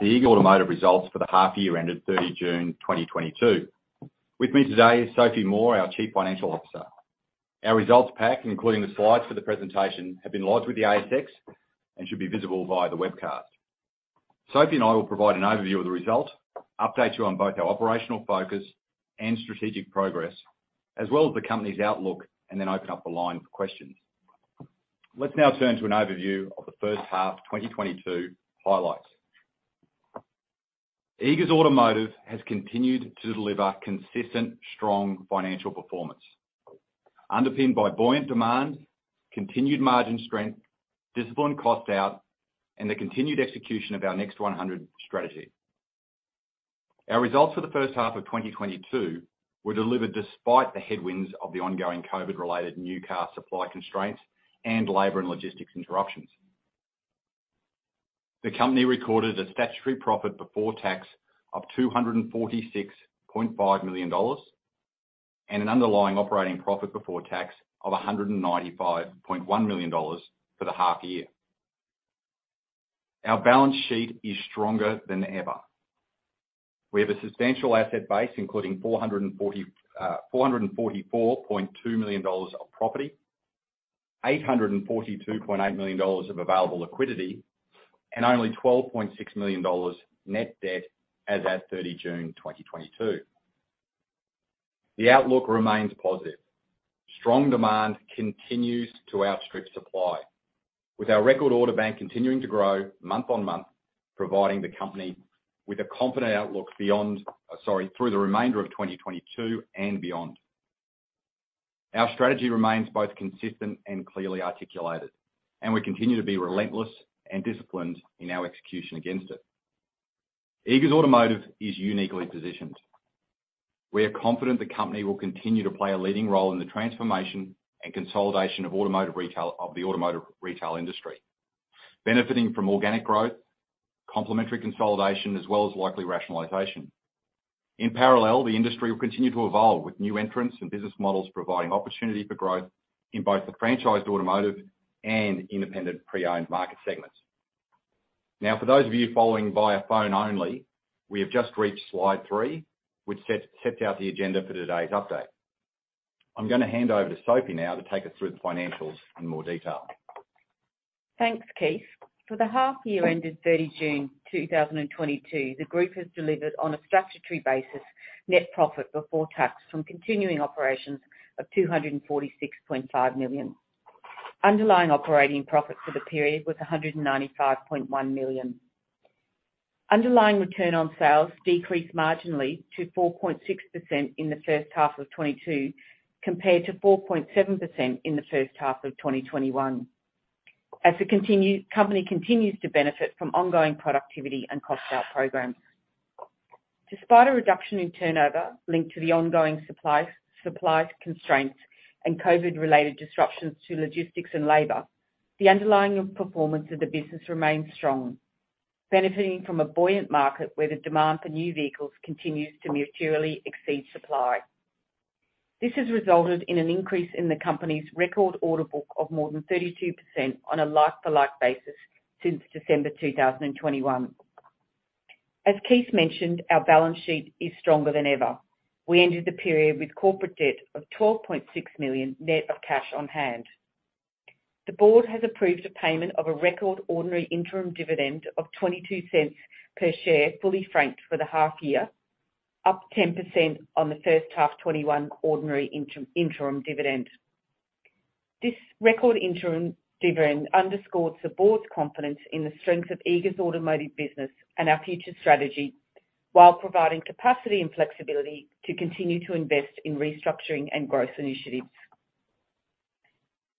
The Eagers Automotive Results for the Half Year ended 30 June 2022. With me today is Sophie Moore, our Chief Financial Officer. Our results pack, including the slides for the presentation, have been lodged with the ASX and should be visible via the webcast. Sophie and I will provide an overview of the result, update you on both our operational focus and strategic progress, as well as the company's outlook, and then open up the line for questions. Let's now turn to an overview of the first half 2022 highlights. Eagers Automotive has continued to deliver consistent strong financial Performance, underpinned by buoyant demand, continued margin strength, disciplined cost out, and the continued execution of our Next100 strategy. Our results for the first half of 2022 were delivered despite the headwinds of the ongoing COVID-related new car supply constraints and labor and logistics interruptions. The company recorded a statutory profit before tax of 246.5 million dollars and an underlying operating profit before tax of 195.1 million dollars for the half year. Our balance sheet is stronger than ever. We have a substantial asset base, including 444.2 million dollars of property, 842.8 million dollars of available liquidity, and only 12.6 million dollars net debt as at 30 June 2022. The outlook remains positive. Strong demand continues to outstrip supply, with our record order bank continuing to grow month-on-month, providing the company with a confident outlook through the remainder of 2022 and beyond. Our strategy remains both consistent and clearly articulated, and we continue to be Relentless and Disciplined in our execution against it. Eagers Automotive is uniquely positioned. We are confident the company will continue to play a leading role in the transformation and consolidation of the automotive retail industry, benefiting from organic growth, complementary consolidation, as well as likely rationalization. In parallel, the industry will continue to evolve with new entrants and business models providing opportunity for growth in both the franchised automotive and independent pre-owned market segments. Now, for those of you following via phone only, we have just reached slide three, which sets out the agenda for today's update. I'm gonna hand over to Sophie now to take us through the financials in more detail. Thanks, Keith. For the half year ended 30 June 2022, the group has delivered on a statutory basis net profit before tax from continuing operations of 246.5 million. Underlying operating profit for the period was 195.1 million. Underlying return on sales decreased marginally to 4.6% in the first half of 2022, compared to 4.7% in the first half of 2021, as the company continues to benefit from ongoing productivity and cost out programs. Despite a reduction in turnover linked to the ongoing supply constraints and COVID-related disruptions to logistics and labor, the underlying Performance of the business remains strong, benefiting from a buoyant market where the demand for new vehicles continues to materially exceed supply. This has resulted in an increase in the company's record order book of more than 32% on a like-for-like basis since December 2021. As Keith mentioned, our balance sheet is stronger than ever. We ended the period with corporate debt of 12.6 million net of cash on hand. The board has approved a payment of a record ordinary interim dividend of 0.22 per share, fully franked for the half year, up 10% on the first half 2021 ordinary interim dividend. This record interim dividend underscores the board's confidence in the strength of Eagers Automotive business and our future strategy, while providing capacity and flexibility to continue to invest in restructuring and growth initiatives.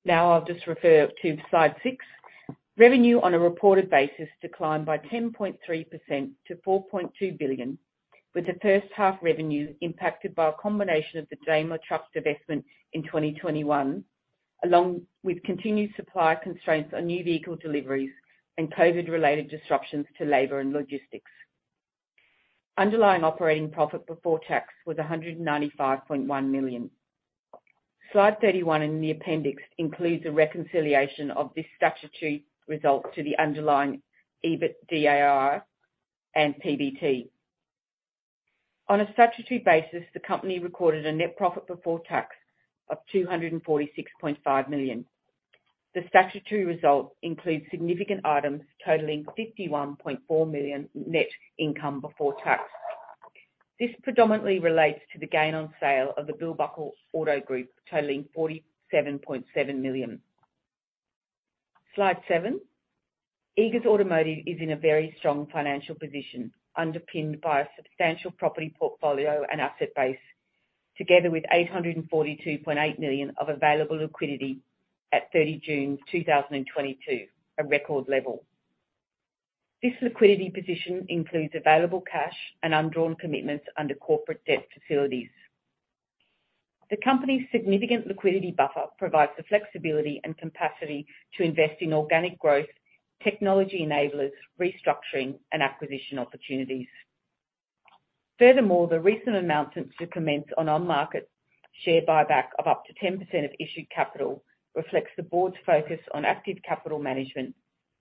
Now I'll just refer to slide six. Revenue on a reported basis declined by 10.3% to 4.2 billion, with the first half revenue impacted by a combination of the Daimler Truck divestment in 2021, along with continued supply constraints on new vehicle deliveries and COVID-related disruptions to labor and logistics. Underlying operating profit before tax was 195.1 million. Slide 31 in the appendix includes a reconciliation of this statutory result to the underlying EBITDAR and PBT. On a statutory basis, the company recorded a net profit before tax of 246.5 million. The statutory result includes significant items totaling 51.4 million net income before tax. This predominantly relates to the gain on sale of the Bill Buckle Auto Group, totaling 47.7 million. Slide seven. Eagers Automotive is in a very strong financial position, underpinned by a substantial property portfolio and asset base, together with 842.8 million of available liquidity at 30 June 2022, a record level. This liquidity position includes available cash and undrawn commitments under corporate debt facilities. The company's significant liquidity buffer provides the flexibility and capacity to invest in organic growth, technology enablers, restructuring, and acquisition opportunities. Furthermore, recent announcement to commence an on-market share buyback of up to 10% of issued capital reflects the board's focus on active capital management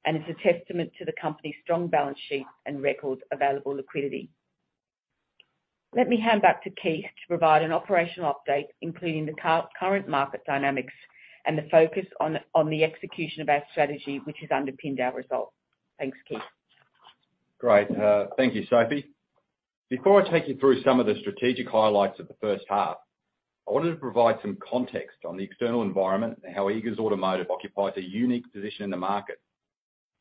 and is a testament to the company's strong balance sheet and record available liquidity. Let me hand back to Keith to provide an operational update, including the current market dynamics and the focus on the execution of our strategy, which has underpinned our results. Thanks, Keith. Great. Thank you, Sophie. Before I take you through some of the strategic highlights of the first half, I wanted to provide some context on the external environment and how Eagers Automotive occupies a unique position in the market,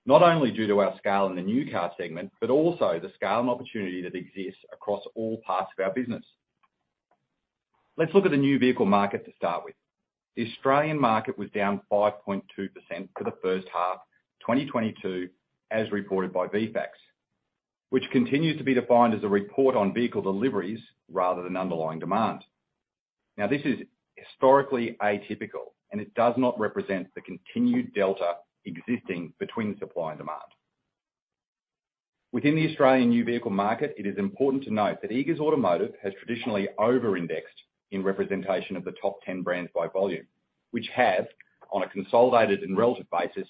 not only due to our scale in the new car segment, but also the scale and opportunity that exists across all parts of our business. Let's look at the new vehicle market to start with. The Australian market was down 5.2% for the first half 2022, as reported by VFACTS, which continues to be defined as a report on vehicle deliveries rather than underlying demand. Now, this is historically atypical, and it does not represent the continued delta existing between supply and demand. Within the Australian new vehicle market, it is important to note that Eagers Automotive has traditionally over-indexed in representation of the top ten brands by volume, which have, on a consolidated and relative basis,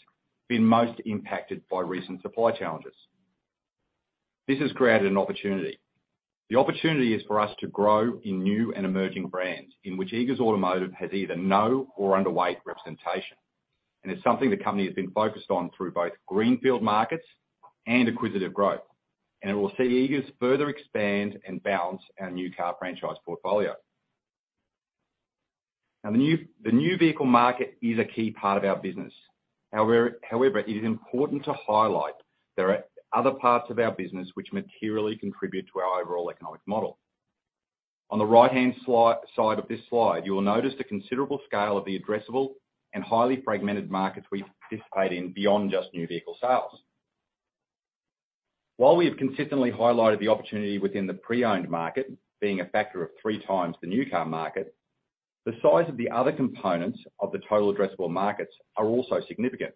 been most impacted by recent supply challenges. This has created an opportunity. The opportunity is for us to grow in new and emerging brands in which Eagers Automotive has either no or underweight representation. It's something the company has been focused on through both greenfield markets and acquisitive growth. It will see Eagers further expand and balance our new car franchise portfolio. Now the new vehicle market is a key part of our business. However, it is important to highlight there are other parts of our business which materially contribute to our overall economic model. On the right-hand side of this slide, you will notice the considerable scale of the addressable and highly fragmented markets we participate in beyond just new vehicle sales. While we have consistently highlighted the opportunity within the pre-owned market being a factor of three times the new car market, the size of the other components of the total addressable markets are also significant.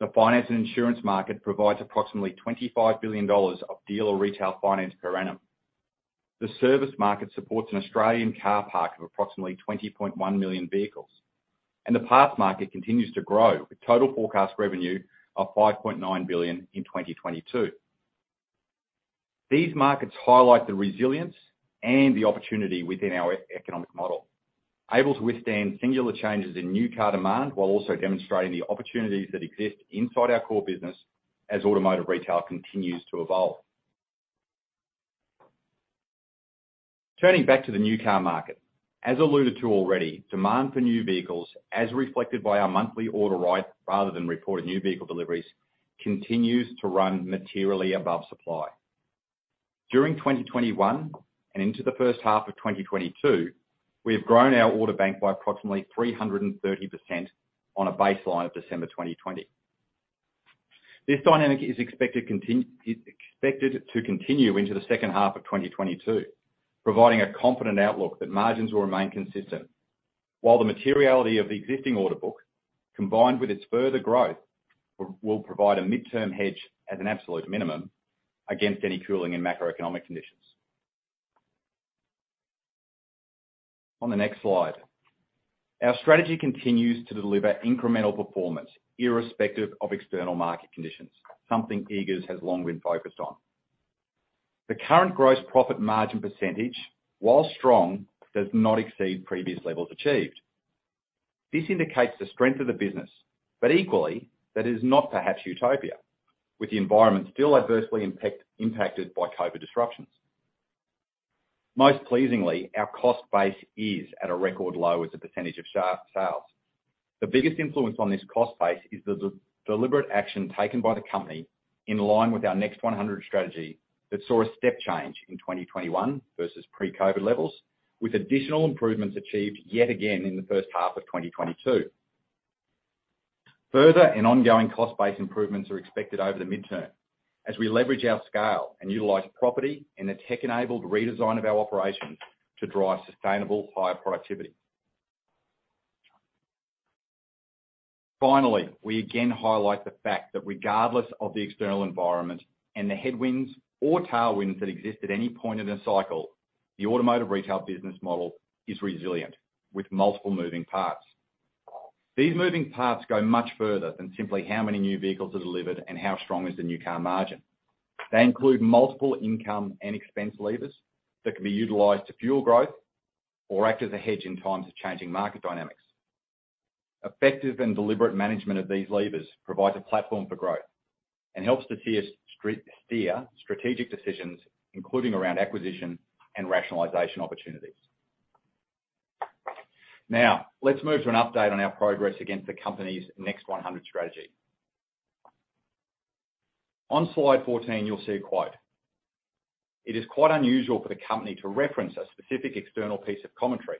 The Finance & Insurance market provides approximately 25 billion dollars of dealer retail finance per annum. The service market supports an Australian car park of approximately 20.1 million vehicles, and the parts market continues to grow, with total forecast revenue of 5.9 billion in 2022. These markets highlight the resilience and the opportunity within our economic model, able to withstand singular changes in new car demand, while also demonstrating the opportunities that exist inside our core business as automotive retail continues to evolve. Turning back to the new car market. As alluded to already, demand for new vehicles, as reflected by our monthly order write rather than reported new vehicle deliveries, continues to run materially above supply. During 2021 and into the first half of 2022, we have grown our order bank by approximately 330% on a baseline of December 2020. This dynamic is expected to continue into the second half of 2022, providing a confident outlook that margins will remain consistent. While the materiality of the existing order book, combined with its further growth, will provide a midterm hedge at an absolute minimum against any cooling in macroeconomic conditions. On the next slide. Our strategy continues to deliver incremental Performance irrespective of external market conditions, something Eagers has long been focused on. The current gross profit margin percentage, while strong, does not exceed previous levels achieved. This indicates the strength of the business, but equally, that is not perhaps utopia, with the environment still adversely impacted by COVID disruptions. Most pleasingly, our cost base is at a record low as a percentage of sales. The biggest influence on this cost base is the deliberate action taken by the company in line with our Next100 strategy that saw a step change in 2021 versus pre-COVID levels, with additional improvements achieved yet again in the first half of 2022. Further, and ongoing cost base improvements are expected over the midterm as we leverage our scale and utilize property and the tech-enabled redesign of our operations to drive sustainable higher productivity. Finally, we again highlight the fact that regardless of the external environment and the headwinds or tailwinds that exist at any point in a cycle, the automotive retail business model is resilient with multiple moving parts. These moving parts go much further than simply how many new vehicles are delivered and how strong is the new car margin. They include multiple income and expense levers that can be utilized to fuel growth or act as a hedge in times of changing market dynamics. Effective and deliberate management of these levers provides a platform for growth and helps to steer strategic decisions, including around acquisition and rationalization opportunities. Now, let's move to an update on our progress against the company's Next100 strategy. On slide 14, you'll see a quote. It is quite unusual for the company to reference a specific external piece of commentary,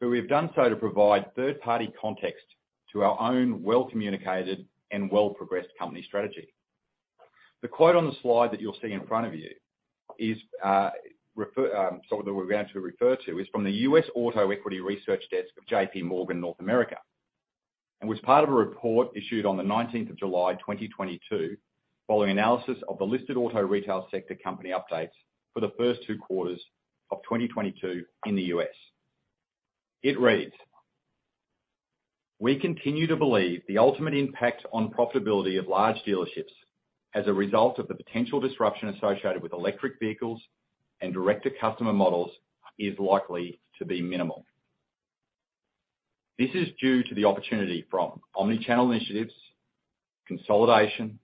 but we have done so to provide third-party context to our own well-communicated and well-progressed company strategy. The quote on the slide that you'll see in front of you is that we're going to refer to is from the U.S. Auto Equity research desk of JPMorgan North America, and was part of a report issued on the 19th of July, 2022, following analysis of the listed auto retail sector company updates for the first 2 quarters of 2022 in the U.S. It reads, "We continue to believe the ultimate impact on profitability of large dealerships as a result of the potential disruption associated with electric vehicles and direct-to-consumer models is likely to be minimal. This is due to the opportunity from omni-channel initiatives, consolidation,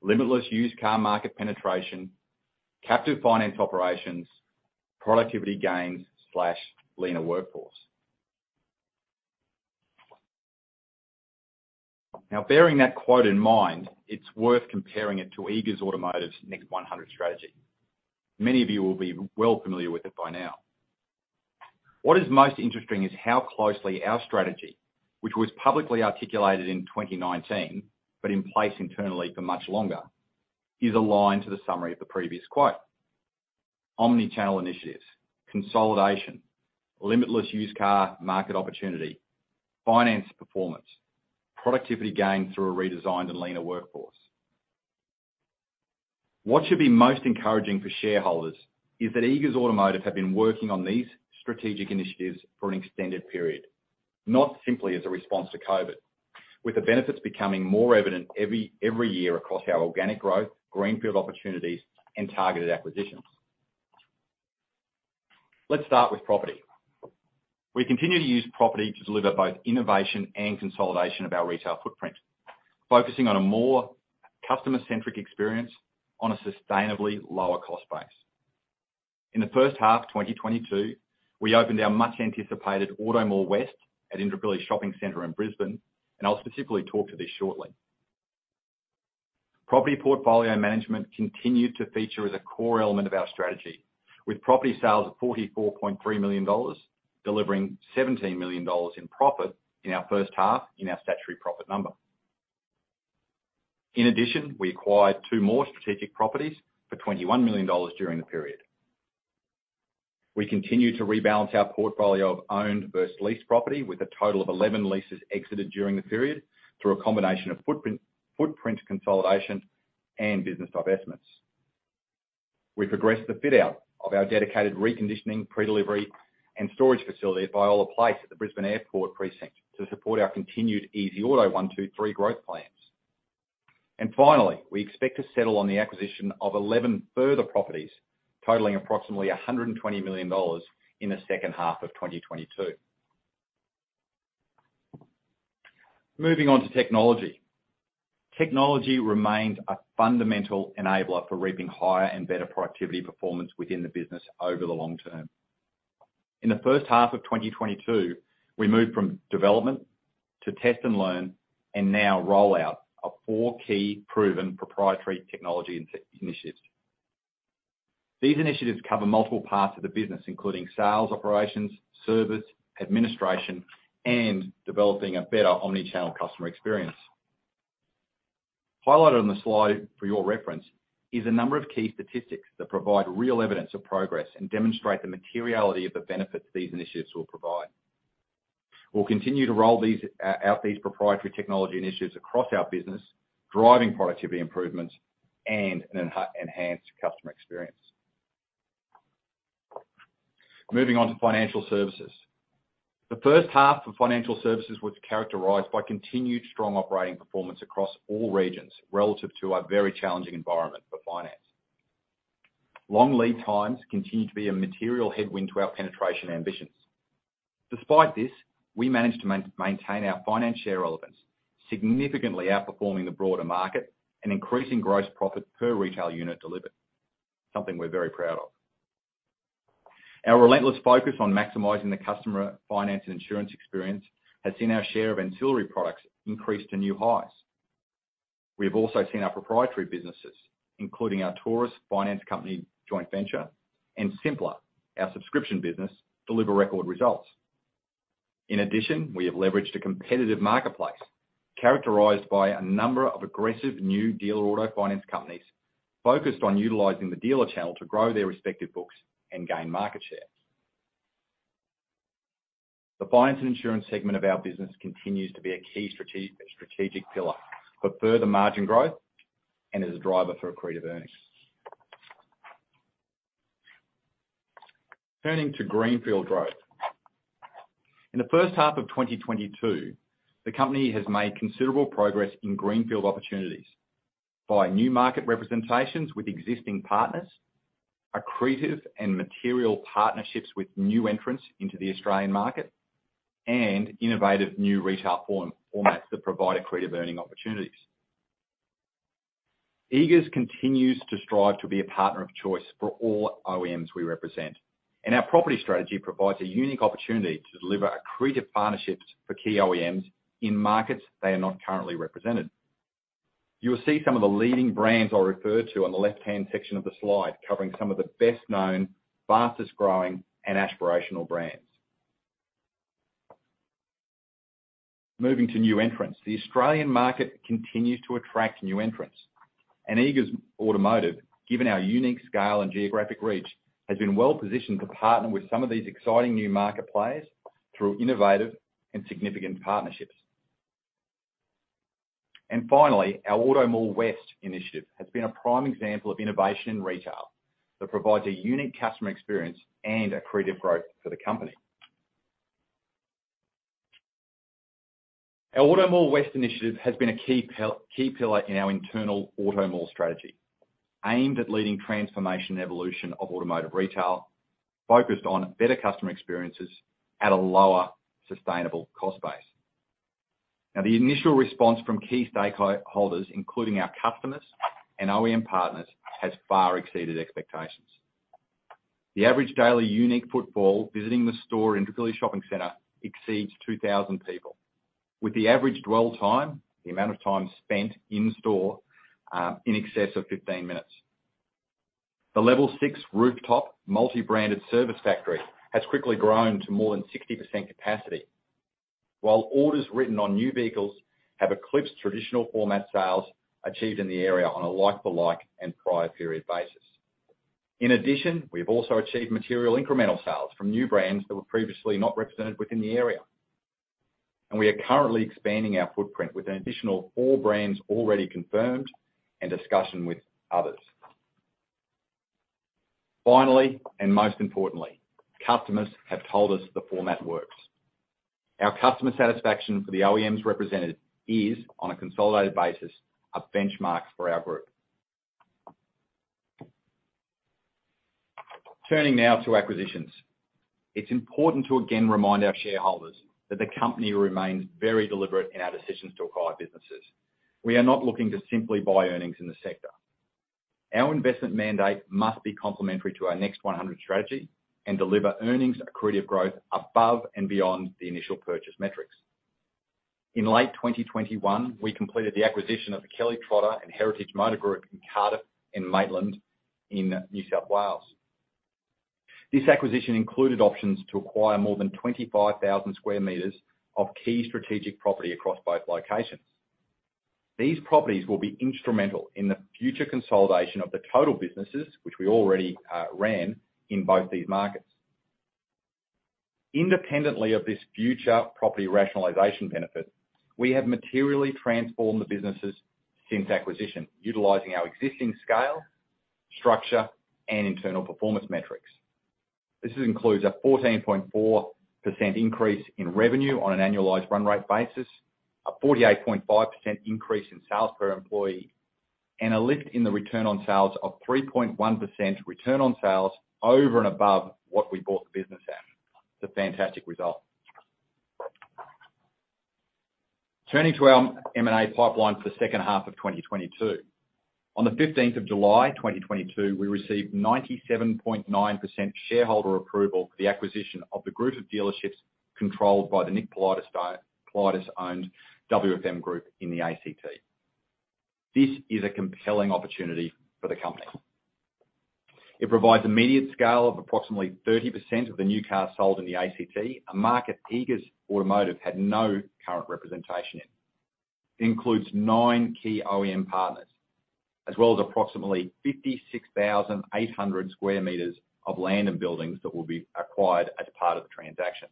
limitless used car market penetration, captive finance operations, productivity gains/leaner workforce." Now bearing that quote in mind, it's worth comparing it to Eagers Automotive's Next 100 strategy. Many of you will be well familiar with it by now. What is most interesting is how closely our strategy, which was publicly articulated in 2019, but in place internally for much longer, is aligned to the summary of the previous quote. Omni-channel initiatives, consolidation, limitless used car market opportunity, finance Performance, productivity gained through a redesigned and leaner workforce. What should be most encouraging for shareholders is that Eagers Automotive have been working on these strategic initiatives for an extended period, not simply as a response to COVID, with the benefits becoming more evident every year across our organic growth, greenfield opportunities and targeted acquisitions. Let's start with property. We continue to use property to deliver both innovation and consolidation of our retail footprint, focusing on a more customer-centric experience on a sustainably lower cost base. In the first half 2022, we opened our much anticipated AutoMall West at Indooroopilly Shopping Center in Brisbane, and I'll specifically talk to this shortly. Property portfolio management continued to feature as a core element of our strategy, with property sales of 44.3 million dollars, delivering 17 million dollars in profit in our first half in our statutory profit number. In addition, we acquired two more strategic properties for 21 million dollars during the period. We continue to rebalance our portfolio of owned versus leased property with a total of 11 leases exited during the period through a combination of footprint consolidation and business divestments. We progressed the fit-out of our dedicated reconditioning, pre-delivery and storage facility at Viola Place at the Brisbane Airport Precinct to support our continued easyauto123 growth plans. Finally, we expect to settle on the acquisition of 11 further properties, totaling approximately 120 million dollars in the second half of 2022. Moving on to technology. Technology remains a fundamental enabler for reaping higher and better productivity Performance within the business over the long term. In the first half of 2022, we moved from development to test and learn, and now rollout of four key proven proprietary technology initiatives. These initiatives cover multiple parts of the business, including sales, operations, service, administration, and developing a better omni-channel customer experience. Highlighted on the slide for your reference, is a number of key statistics that provide real evidence of progress and demonstrate the materiality of the benefits these initiatives will provide. We'll continue to roll these out, these proprietary technology initiatives across our business, driving productivity improvements and an enhanced customer experience. Moving on to financial services. The first half of financial services was characterized by continued strong operating Performance across all regions, relative to a very challenging environment for finance. Long lead times continue to be a material headwind to our penetration ambitions. Despite this, we managed to maintain our finance share relevance, significantly outperforming the broader market and increasing gross profit per retail unit delivered, something we're very proud of. Our relentless focus on maximizing the customer Finance & Insurance experience has seen our share of ancillary products increase to new highs. We have also seen our proprietary businesses, including our Taurus Motor Finance joint venture and Simplr, our subscription business, deliver record results. In addition, we have leveraged a competitive marketplace characterized by a number of aggressive new dealer auto finance companies focused on utilizing the dealer channel to grow their respective books and gain market share. The Finance & Insurance segment of our business continues to be a key strategic pillar for further margin growth and is a driver for accretive earnings. Turning to greenfield growth. In the first half of 2022, the company has made considerable progress in greenfield opportunities by new market representations with existing partners, accretive and material partnerships with new entrants into the Australian market, and innovative new retail formats that provide accretive earnings opportunities. Eagers continues to strive to be a partner of choice for all OEMs we represent, and our property strategy provides a unique opportunity to deliver accretive partnerships for key OEMs in markets they are not currently represented. You will see some of the leading brands I referred to on the left-hand section of the slide, covering some of the best known, fastest growing and aspirational brands. Moving to new entrants. The Australian market continues to attract new entrants. Eagers Automotive, given our unique scale and geographic reach, has been well positioned to partner with some of these exciting new market players through innovative and significant partnerships. Finally, our AutoMall West initiative has been a prime example of innovation in retail that provides a unique customer experience and accretive growth for the company. Our AutoMall West initiative has been a key pillar in our internal AutoMall strategy, aimed at leading transformation evolution of automotive retail, focused on better customer experiences at a lower sustainable cost base. Now, the initial response from key stakeholders, including our customers and OEM partners, has far exceeded expectations. The average daily unique footfall visiting the store in the Indooroopilly Shopping Centre exceeds 2,000 People, with the average dwell time, the amount of time spent in store, in excess of 15 minutes. The level six rooftop multi-branded service factory has quickly grown to more than 60% capacity. While orders written on new vehicles have eclipsed traditional format sales achieved in the area on a like-for-like and prior period basis. In addition, we have also achieved material incremental sales from new brands that were previously not represented within the area. We are currently expanding our footprint with an additional four brands already confirmed and discussion with others. Finally, and most importantly, customers have told us the format works. Our customer satisfaction for the OEMs represented is, on a consolidated basis, a benchmark for our group. Turning now to acquisitions. It's important to again remind our shareholders that the company remains very deliberate in our decisions to acquire businesses. We are not looking to simply buy earnings in the sector. Our investment mandate must be complementary to our Next100 strategy and deliver earnings accretive growth above and beyond the initial purchase metrics. In late 2021, we completed the acquisition of the Kelly Trotter and Heritage Motor Group in Cardiff and Maitland in New South Wales. This acquisition included options to acquire more than 25,000 square meters of key Strategic Property across both locations. These properties will be instrumental in the future consolidation of the total businesses, which we already ran in both these markets. Independently of this future property rationalization benefit, we have materially transformed the businesses since acquisition, utilizing our existing scale, structure, and internal Performance metrics. This includes a 14.4% increase in revenue on an annualized run rate basis, a 48.5% increase in sales per employee, and a lift in the return on sales of 3.1% return on sales over and above what we bought the business at. It's a fantastic result. Turning to our M&A pipeline for the second half of 2022. On the 15th of July 2022, we received 97.9% shareholder approval for the acquisition of the group of dealerships controlled by the Nick Politis-owned WFM Motors in the ACT. This is a compelling opportunity for the company. It provides immediate scale of approximately 30% of the new cars sold in the ACT, a market Eagers Automotive had no current representation in. Includes nine key OEM partners, as well as approximately 56,800 square meters of land and buildings that will be acquired as part of the transaction.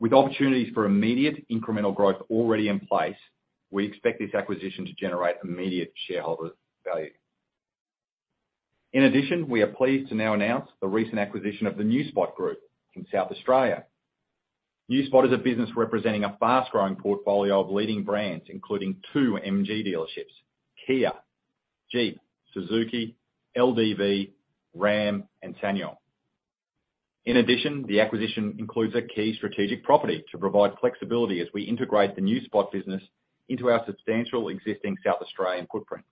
With opportunities for immediate incremental growth already in place, we expect this acquisition to generate immediate shareholder value. In addition, we are pleased to now announce the recent acquisition of the Newspot Group in South Australia. Newspot is a business representing a fast-growing portfolio of leading brands, including two MG dealerships, Kia, Jeep, Suzuki, LDV, Ram, and SsangYong. In addition, the acquisition includes a key strategic property to provide flexibility as we integrate the Newspot business into our substantial existing South Australian footprint.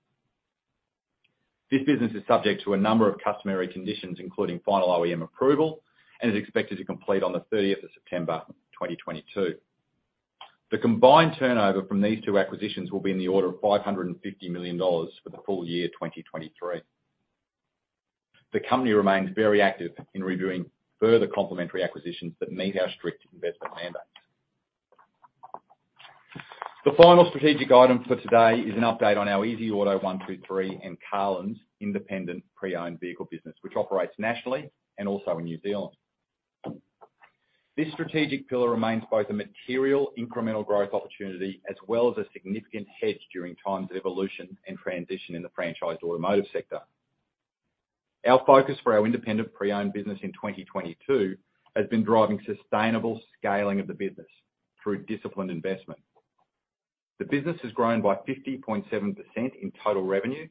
This business is subject to a number of customary conditions, including final OEM approval, and is expected to complete on the 30th of September 2022. The combined turnover from these two acquisitions will be in the order of 550 million dollars for the full year 2023. The company remains very active in reviewing further complementary acquisitions that meet our strict investment mandates. The final strategic item for today is an update on our easyauto123 and Carlins independent pre-owned vehicle business, which operates nationally and also in New Zealand. This strategic pillar remains both a material incremental growth opportunity as well as a significant hedge during times of evolution and transition in the franchised automotive sector. Our focus for our independent pre-owned business in 2022 has been driving sustainable scaling of the business through disciplined investment. The business has grown by 50.7% in total revenue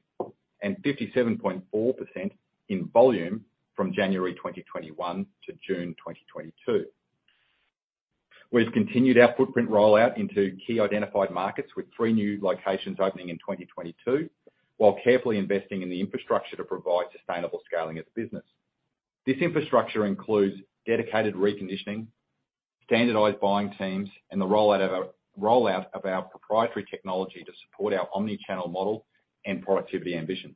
and 57.4% in volume from January 2021 to June 2022. We've continued our footprint rollout into key identified markets with three new locations opening in 2022, while carefully investing in the infrastructure to provide sustainable scaling of the business. This infrastructure includes dedicated reconditioning, standardized buying teams, and the rollout of our proprietary technology to support our omni-channel model and productivity ambitions.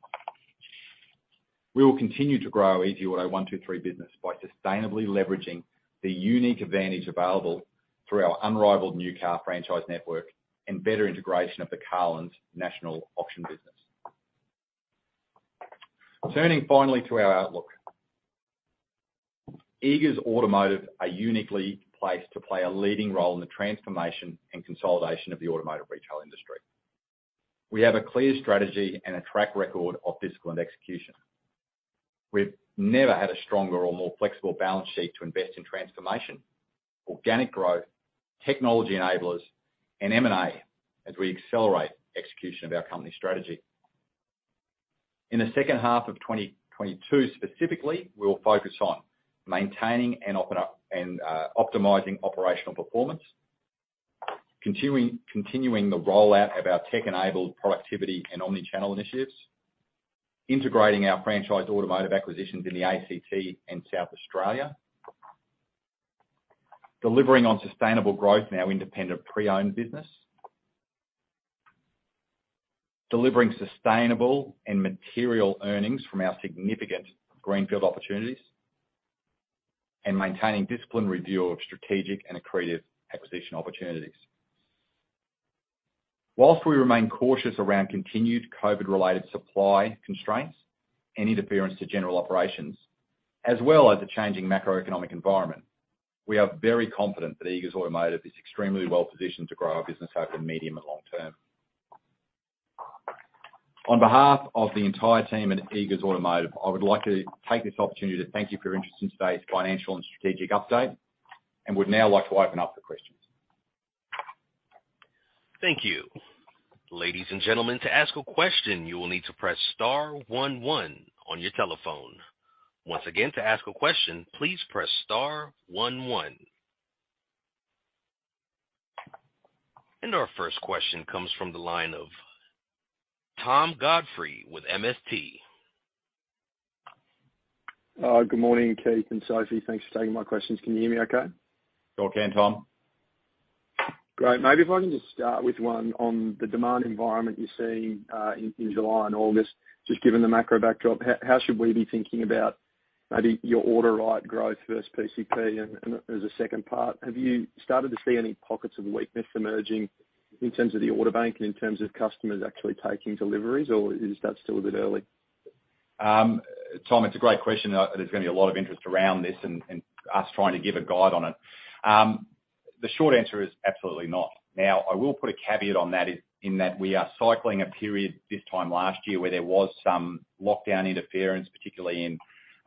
We will continue to grow easyauto123 business by sustainably leveraging the unique advantage available through our unrivaled new car franchise network and better integration of the Carlins National Auction business. Turning finally to our outlook. Eagers Automotive are uniquely placed to play a leading role in the transformation and consolidation of the automotive retail industry. We have a clear strategy and a track record of discipline execution. We've never had a stronger or more flexible balance sheet to invest in transformation, organic growth, technology enablers, and M&A as we accelerate execution of our company strategy. In the second half of 2022 specifically, we will focus on maintaining and optimizing operational Performance, continuing the rollout of our tech-enabled productivity and omni-channel initiatives, integrating our franchise automotive acquisitions in the ACT and South Australia. Delivering on sustainable growth in our independent pre-owned business. Delivering sustainable and material earnings from our significant greenfield opportunities, and maintaining disciplined view of strategic and accretive acquisition opportunities. While we remain cautious around continued COVID-related supply constraints, any interference to general operations, as well as a changing macroeconomic environment, we are very confident that Eagers Automotive is extremely well-positioned to grow our business over the medium and long term. On behalf of the entire team at Eagers Automotive, I would like to take this opportunity to thank you for your interest in today's financial and strategic update, and would now like to open up for questions. Thank you. Ladies and gentlemen, to ask a question, you will need to press star one one on your telephone. Once again, to ask a question, please press star one one. Our first question comes from the line of Tom Godfrey with MST. Good morning, Keith and Sophie. Thanks for taking my questions. Can you hear me okay? Sure can, Tom. Great. Maybe if I can just start with one on the demand environment you're seeing in July and August, just given the macro backdrop. How should we be thinking about maybe your order write growth versus PCP? And as a second part, have you started to see any pockets of weakness emerging in terms of the order bank and in terms of customers actually taking deliveries, or is that still a bit early? Tom, it's a great question. There's gonna be a lot of interest around this and us trying to give a guide on it. The short answer is absolutely not. Now, I will put a caveat on that in that we are cycling a period this time last year where there was some lockdown interference, particularly in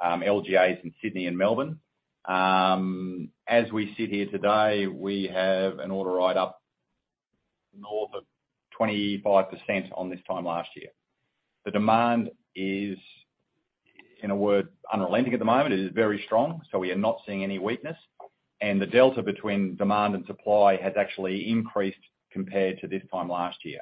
LGAs in Sydney and Melbourne. As we sit here today, we have an order write up north of 25% on this time last year. The demand is, in a word, unrelenting at the moment. It is very strong, so we are not seeing any weakness. The delta between demand and supply has actually increased compared to this time last year.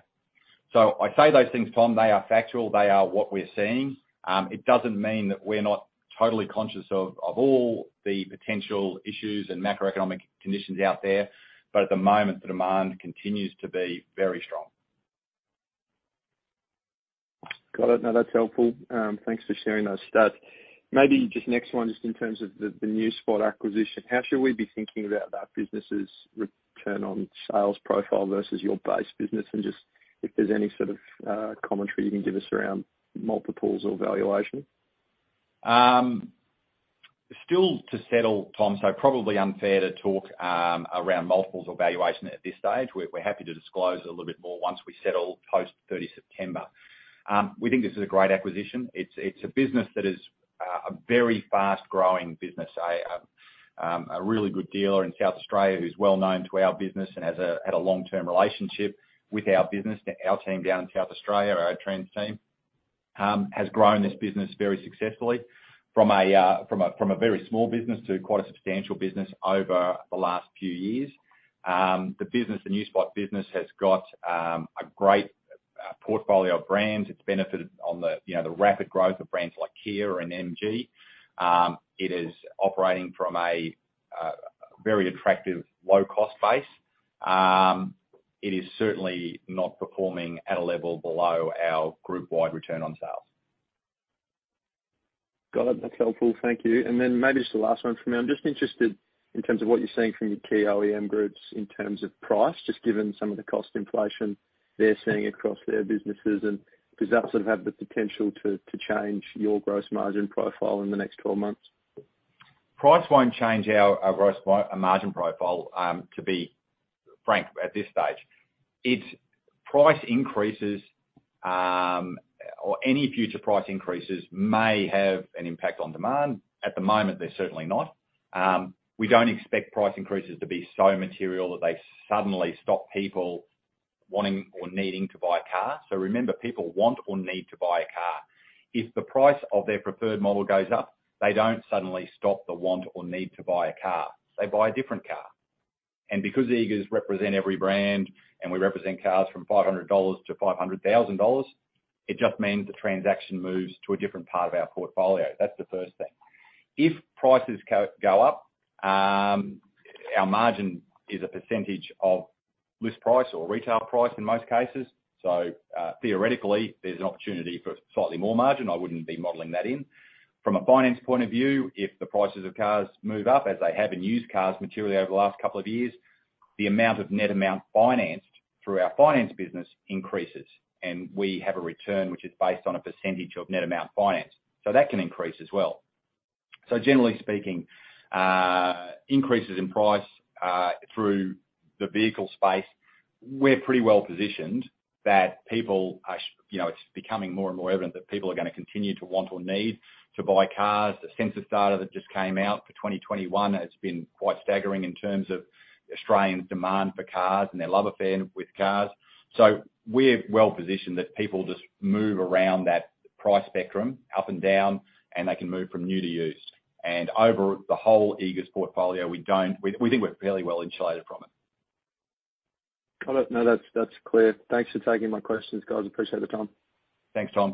I say those things, Tom. They are factual. They are what we're seeing. It doesn't mean that we're not totally conscious of all the potential issues and macroeconomic conditions out there. At the moment, the demand continues to be very strong. Got it. No, that's helpful. Thanks for sharing those stats. Maybe just next one, just in terms of the Newspot acquisition. How should we be thinking about that business's return on sales profile versus your base business? Just if there's any sort of commentary you can give us around multiples or valuation? Still to settle, Tom, so probably unfair to talk around multiples or valuation at this stage. We're happy to disclose a little bit more once we settle post-30 September. We think this is a great acquisition. It's a business that is a very fast-growing business. A really good dealer in South Australia who's well-known to our business and has had a long-term relationship with our business. Our team down in South Australia, our Australian team, has grown this business very successfully from a very small business to quite a substantial business over the last few years. The business, the Newspot business has got a great portfolio of brands. It's benefited on the, you know, the rapid growth of brands like Kia or MG.It is operating from a very attractive low cost base. It is certainly not performing at a level below our group-wide return on sales. Got it. That's helpful. Thank you. Then maybe just the last one from me. I'm just interested in terms of what you're seeing from your key OEM groups in terms of price, just given some of the cost inflation they're seeing across their businesses. Does that sort of have the potential to change your gross margin profile in the next 12 months? Price won't change our gross margin profile, to be frank, at this stage. It's price increases or any future price increases may have an impact on demand. At the moment, they're certainly not. We don't expect price increases to be so material that they suddenly stop People wanting or needing to buy a car. Remember, People want or need to buy a car. If the price of their preferred model goes up, they don't suddenly stop the want or need to buy a car. They buy a different car. Because Eagers represent every brand and we represent cars from 500 dollars to 500,000 dollars, it just means the transaction moves to a different part of our portfolio. That's the first thing. If prices go up, our margin is a percentage of list price or retail price in most cases. Theoretically, there's an opportunity for slightly more margin. I wouldn't be modeling that in. From a finance point of view, if the prices of cars move up, as they have in used cars materially over the last couple of years, the amount of net amount financed through our finance business increases. We have a return which is based on a percentage of net amount financed, so that can increase as well. Generally speaking, increases in price through the vehicle space, we're pretty well positioned that People are you know, it's becoming more and more evident that People are gonna continue to want or need to buy cars. The census data that just came out for 2021 has been quite staggering in terms of Australians' demand for cars and their love affair with cars. We're well positioned that People just move around that price spectrum up and down, and they can move from new to used. Over the whole Eagers portfolio, we think we're fairly well insulated from it. Got it. No, that's clear. Thanks for taking my questions, guys. Appreciate the time. Thanks, Tom.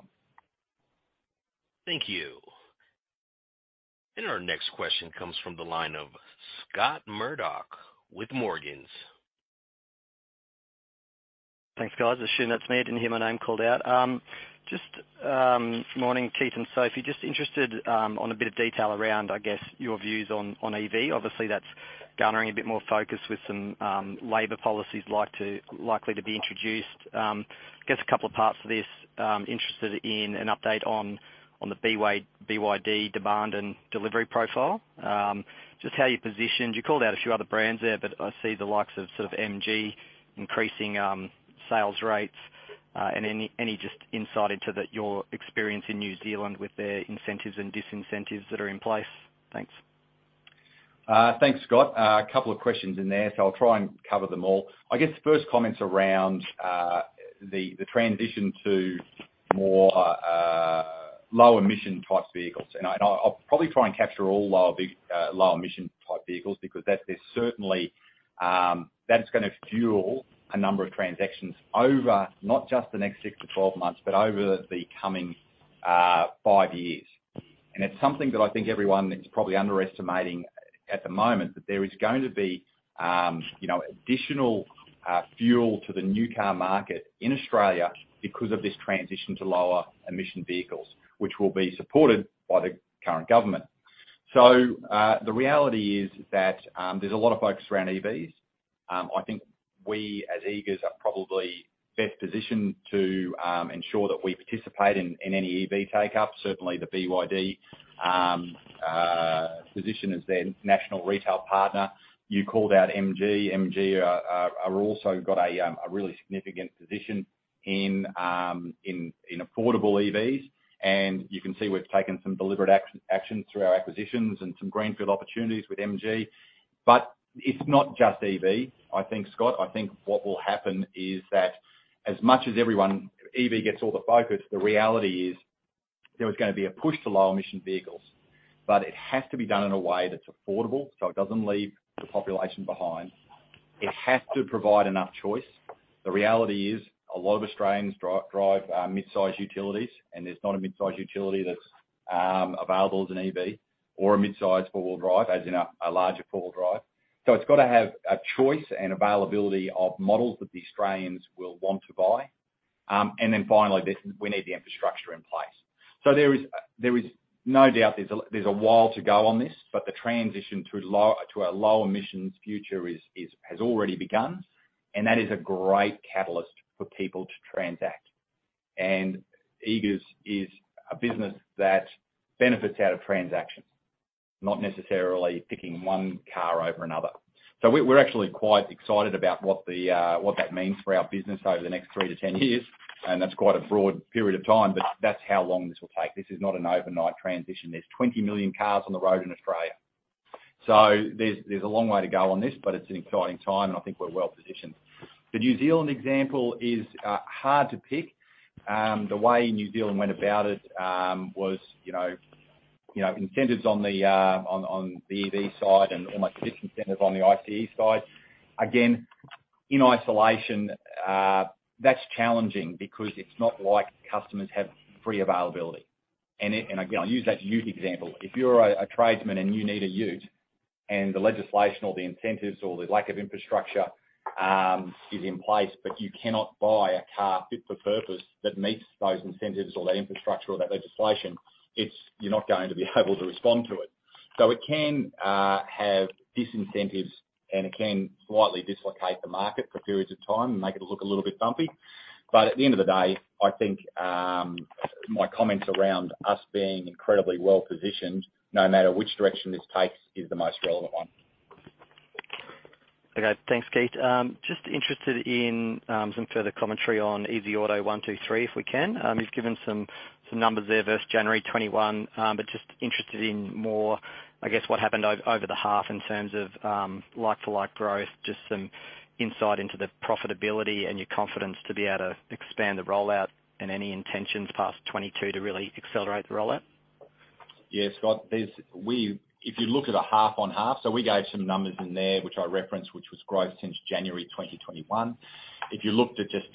Thank you. Our next question comes from the line of Scott Murdoch with Morgans. Thanks, guys. Assuming that's me. I didn't hear my name called out. Just morning, Keith and Sophie. Just interested on a bit of detail around, I guess, your views on EV. Obviously, that's garnering a bit more focus with some labor policies likely to be introduced. I guess a couple of parts to this. Interested in an update on the BYD demand and delivery profile. Just how you're positioned. You called out a few other brands there, but I see the likes of, sort of MG increasing sales rates. And any just insight into your experience in New Zealand with the incentives and disincentives that are in place. Thanks. Thanks, Scott. A couple of questions in there, so I'll try and cover them all. I guess first comments around the transition to more low emission type vehicles. I'll probably try and capture all low emission type vehicles because that is certainly gonna fuel a number of transactions over not just the next six to 12 months, but over the coming five years. It's something that I think everyone is probably underestimating at the moment, that there is going to be you know, additional fuel to the new car market in Australia because of this transition to lower emission vehicles, which will be supported by the current government. The reality is that there's a lot of focus around EVs. I think we, as Eagers, are probably best positioned to ensure that we participate in any EV take-up. Certainly the BYD position as their national retail partner. You called out MG. MG are also got a really significant position in affordable EVs. You can see we've taken some deliberate action through our acquisitions and some greenfield opportunities with MG. It's not just EV. I think, Scott, what will happen is that as much as everyone EV gets all the focus, the reality is there is gonna be a push to low emission vehicles. It has to be done in a way that's affordable, so it doesn't leave the population behind. It has to provide enough choice. The reality is a lot of Australians drive mid-size utilities, and there's not a mid-size utility that's available as an EV or a mid-size four-wheel drive, as in a larger four-wheel drive. It's gotta have a choice and availability of models that the Australians will want to buy. Finally, we need the infrastructure in place. There is no doubt there's a while to go on this, but the transition to a low emissions future has already begun, and that is a great catalyst for People to transact. Eagers is a business that benefits out of transactions, not necessarily picking one car over another. We're actually quite excited about what that means for our business over the next three to 10 years, and that's quite a broad period of time, but that's how long this will take. This is not an overnight transition. There's 20 million cars on the road in Australia. There's a long way to go on this, but it's an exciting time, and I think we're well-positioned. The New Zealand example is hard to pick. The way New Zealand went about it was, you know, incentives on the EV side and almost disincentives on the ICE side. Again, in isolation, that's challenging because it's not like customers have free availability. Again, I'll use that ute example. If you're a tradesman and you need a ute, and the legislation or the incentives or the lack of infrastructure is in place, but you cannot buy a car fit for purpose that meets those incentives or that infrastructure or that legislation, it's. You're not going to be able to respond to it. It can have disincentives, and it can slightly dislocate the market for periods of time and make it look a little bit bumpy. At the end of the day, I think my comments around us being incredibly well-positioned no matter which direction this takes is the most relevant one. Okay. Thanks, Keith. Just interested in some further commentary on easyauto123, if we can. You've given some numbers there versus January 2021, but just interested in more, I guess, what happened over the half in terms of like-for-like growth, just some insight into the profitability and your confidence to be able to expand the rollout and any intentions past 2022 to really accelerate the rollout. Yeah, Scott, if you look at a half-on-half, we gave some numbers in there, which I referenced, which was growth since January 2021. If you looked at just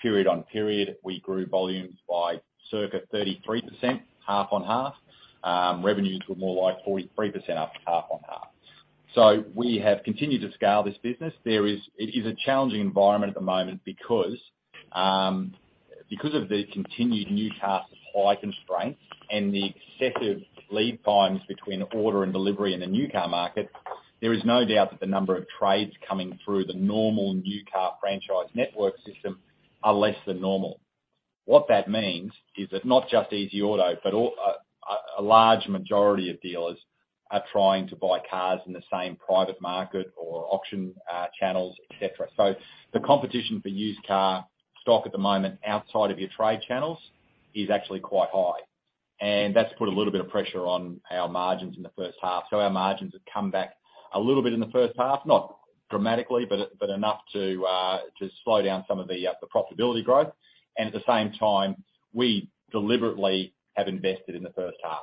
period on period, we grew volumes by circa 33% half-on-half. Revenues were more like 43% up half-on-half. We have continued to scale this business. It is a challenging environment at the moment because of the continued new car supply constraints and the excessive lead times between order and delivery in the new car market. There is no doubt that the number of trades coming through the normal new car franchise network system are less than normal. What that means is that not just easyauto123, but all a large majority of dealers are trying to buy cars in the same private market or auction channels, et cetera. The competition for used car stock at the moment outside of your trade channels is actually quite high. That's put a little bit of pressure on our margins in the first half. Our margins have come back a little bit in the first half, not dramatically, but enough to slow down some of the profitability growth. At the same time, we deliberately have invested in the first half.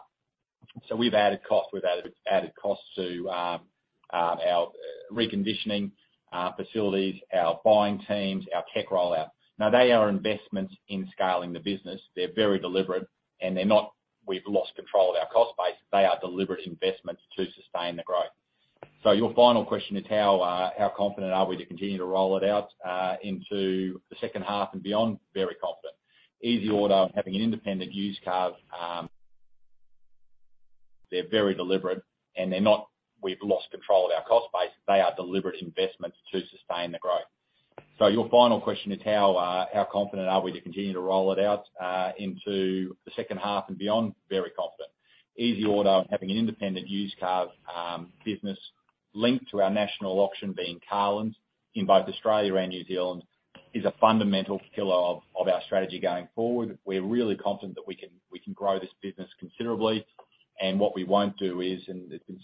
We've added cost to our reconditioning facilities, our buying teams, our tech rollout. Now they are investments in scaling the business. They're very deliberate, and they're not, we've lost control of our cost base. They are deliberate investments to sustain the growth. Your final question is how confident are we to continue to roll it out into the second half and beyond? Very confident. easyauto123 having an independent used cars business linked to our national auction being Carland in both Australia and New Zealand is a fundamental pillar of our strategy going forward. We're really confident that we can grow this business considerably. What we won't do is, and there's been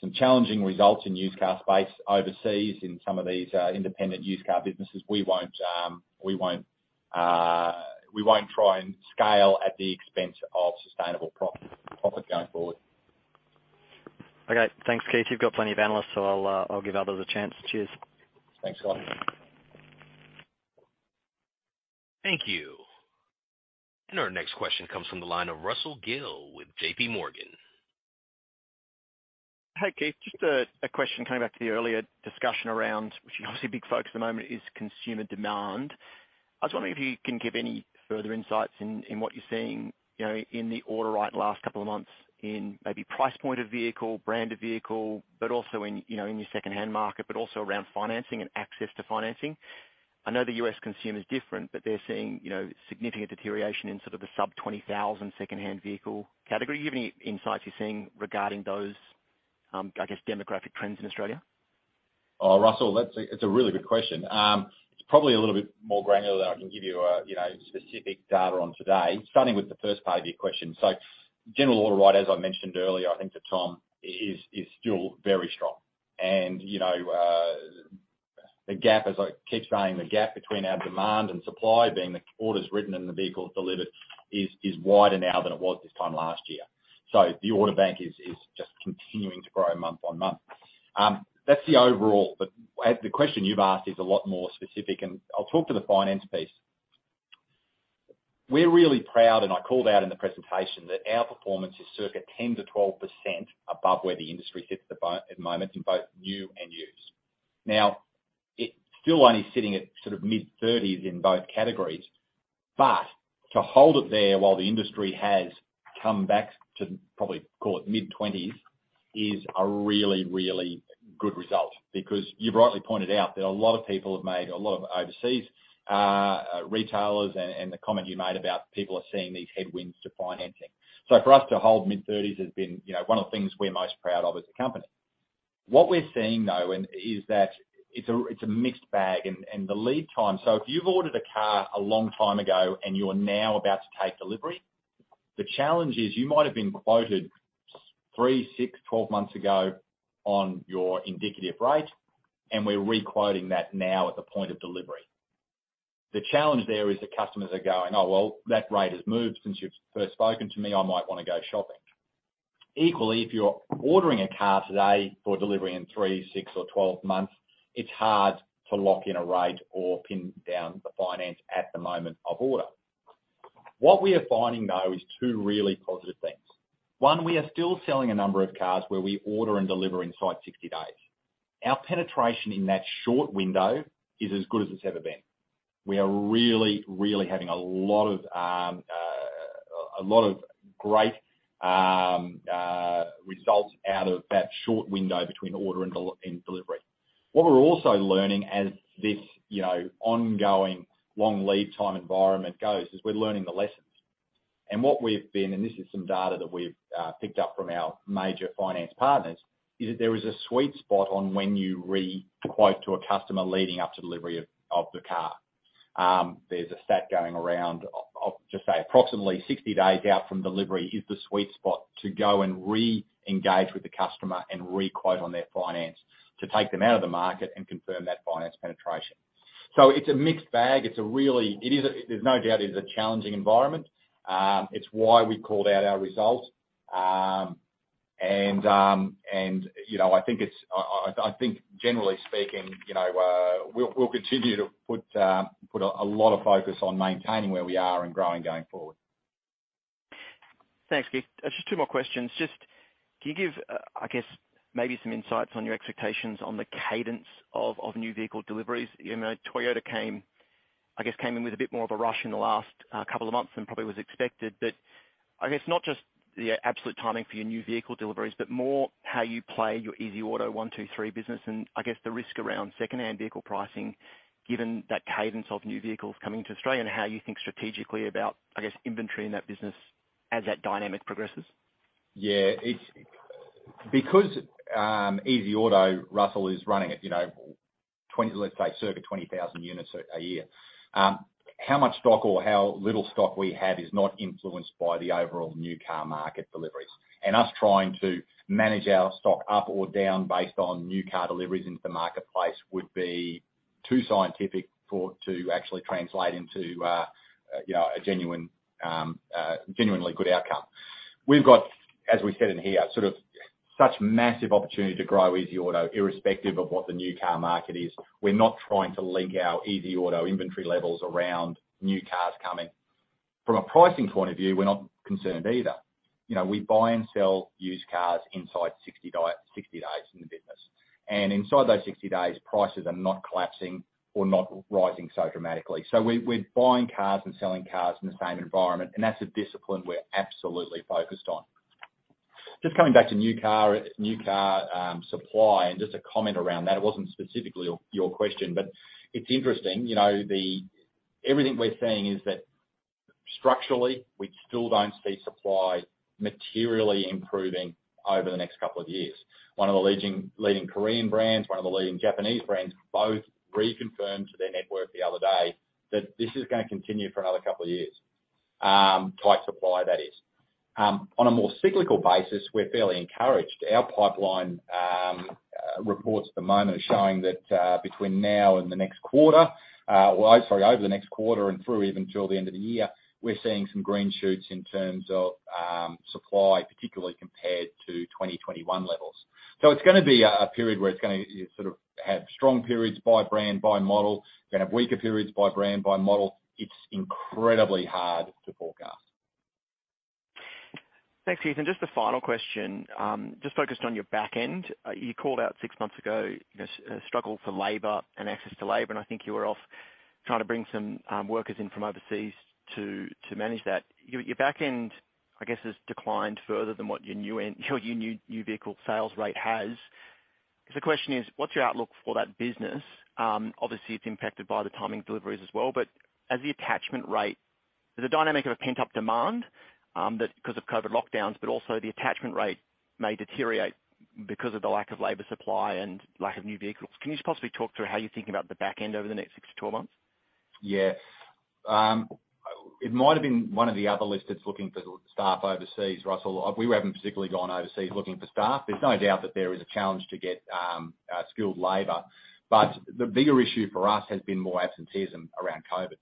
some challenging results in used car space overseas in some of these independent used car businesses. We won't try and scale at the expense of sustainable profit going forward. Okay. Thanks, Keith. You've got plenty of Analysts, so I'll give others a chance. Cheers. Thanks, Scott. Thank you. Our next question comes from the line of Russell Gill with JPMorgan. Hey, Keith. Just a question coming back to the earlier discussion around which is obviously a big focus at the moment is consumer demand. I was wondering if you can give any further insights in what you're seeing, you know, in the order write last couple of months in maybe price point of vehicle, brand of vehicle, but also in, you know, in your secondhand market, but also around financing and access to financing. I know the U.S. consumer is different, but they're seeing, you know, significant deterioration in sort of the sub-$20,000 secondhand vehicle category. Do you have any insights you're seeing regarding those, I guess, demographic trends in Australia? Russell, that's a really good question. It's probably a little bit more granular than I can give you know, specific data on today, starting with the first part of your question. General order write, as I mentioned earlier, I think to Tom, is still very strong. You know, the gap as I keep saying between our demand and supply being the orders written and the vehicles delivered is wider now than it was this time last year. The order bank is just continuing to grow month-on-month. That's the overall. As the question you've asked is a lot more specific, and I'll talk to the finance piece. We're really proud. I called out in the presentation that our Performance is circa 10%-12% above where the industry sits at the moment in both new and used. It's still only sitting at sort of mid-30s% in both categories. To hold it there while the industry has come back to probably call it mid-20s% is a really, really good result because you've rightly pointed out that a lot of People have made a lot of overseas retailers and the comment you made about People are seeing these headwinds to financing. For us to hold mid-30s% has been, you know, one of the things we're most proud of as a company. What we're seeing, though, is that it's a mixed bag and the lead time. If you've ordered a car a long time ago and you're now about to take delivery, the challenge is you might have been quoted three, six, 12 months ago on your indicative rate, and we're requoting that now at the point of delivery. The challenge there is that customers are going, "Oh, well, that rate has moved since you've first spoken to me. I might wanna go shopping." Equally, if you're ordering a car today for delivery in three, six or 12 months, it's hard to lock in a rate or pin down the finance at the moment of order. What we are finding, though, is two really positive things. One, we are still selling a number of cars where we order and deliver inside 60 days. Our penetration in that short window is as good as it's ever been. We are really having a lot of great results out of that short window between order and delivery. What we're also learning as this, you know, ongoing long lead time environment goes is we're learning the lessons. What we've been, and this is some data that we've picked up from our major finance partners, is that there is a sweet spot on when you re-quote to a customer leading up to delivery of the car. There's a stat going around of just say approximately 60 days out from delivery is the sweet spot to go and re-engage with the customer and re-quote on their finance to take them out of the market and confirm that Finance Penetration. It's a mixed bag. There's no doubt it is a challenging environment. It's why we called out our results. You know, I think generally speaking, you know, we'll continue to put a lot of focus on maintaining where we are and growing going forward. Thanks, Keith. Just two more questions. Just can you give, I guess, maybe some insights on your expectations on the cadence of new vehicle deliveries? You know, Toyota came in, I guess, with a bit more of a rush in the last couple of months than probably was expected. I guess not just the absolute timing for your new vehicle deliveries, but more how you play your easyauto123 business and I guess the risk around second-hand vehicle pricing, given that cadence of new vehicles coming to Australia and how you think strategically about, I guess, inventory in that business as that dynamic progresses. Yeah. It's because Easy Auto, Russell, is running at, you know, let's say circa 20,000 units a year, how much stock or how little stock we have is not influenced by the overall new car market deliveries. Us trying to manage our stock up or down based on new car deliveries into the marketplace would be too scientific for it to actually translate into, you know, a genuine, genuinely good outcome. We've got, as we said in here, sort of such massive opportunity to grow Easy Auto, irrespective of what the new car market is. We're not trying to link our Easy Auto inventory levels around new cars coming. From a pricing point of view, we're not concerned either. You know, we buy and sell used cars inside 60 days in the business. Inside those 60 days, prices are not collapsing or not rising so dramatically. We're buying cars and selling cars in the same environment, and that's a discipline we're absolutely focused on. Just coming back to new car supply and just a comment around that. It wasn't specifically your question, but it's interesting, you know. Everything we're seeing is that structurally we still don't see supply materially improving over the next couple of years. One of the leading Korean brands, one of the leading Japanese brands, both reconfirmed to their network the other day that this is gonna continue for another couple of years, tight supply that is. On a more cyclical basis, we're fairly encouraged. Our pipeline reports at the moment are showing that over the next quarter and through even till the end of the year, we're seeing some green shoots in terms of supply, particularly compared to 2021 levels. It's gonna be a period where it's gonna sort of have strong periods by brand, by model, gonna have weaker periods by brand, by model. It's incredibly hard to forecast. Thanks, Keith, just the final question, just focused on your back end. You called out six months ago, you know, struggle for labor and access to labor, and I think you were off trying to bring some workers in from overseas to manage that. Your back end, I guess, has declined further than what your front end, your new vehicle sales rate has. So the question is: What's your outlook for that business? Obviously it's impacted by the timing of deliveries as well, but has the attachment rate deteriorated. Is the dynamic of a pent-up demand that's caused by COVID lockdowns, but also the attachment rate may deteriorate because of the lack of labor supply and lack of new vehicles. Can you just possibly talk through how you're thinking about the back end over the next six to 12 months? Yeah. It might've been one of the other listed looking for staff overseas, Russell. We haven't particularly gone overseas looking for staff. There's no doubt that there is a challenge to get skilled labor. The bigger issue for us has been more absenteeism around COVID.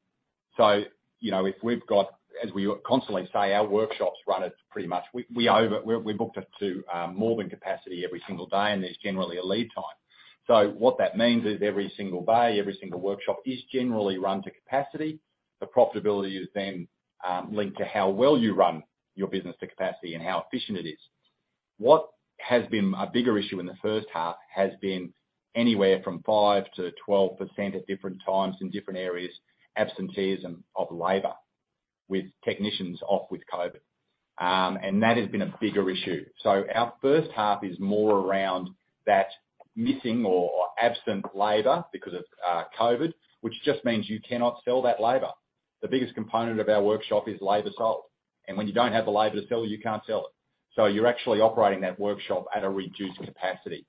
If we've got, as we constantly say, our workshops run at pretty much. We're booked out to more than capacity every single day, and there's generally a lead time. What that means is every single day, every single workshop is generally run to capacity. The profitability is then linked to how well you run your business to capacity and how efficient it is. What has been a bigger issue in the first half has been anywhere from 5%-12% at different times in different areas, absenteeism of labor with technicians off with COVID. That has been a bigger issue. Our first half is more around that missing or absent labor because of COVID, which just means you cannot sell that labor. The biggest component of our workshop is labor sold. When you don't have the labor to sell, you can't sell it. You're actually operating that workshop at a reduced capacity.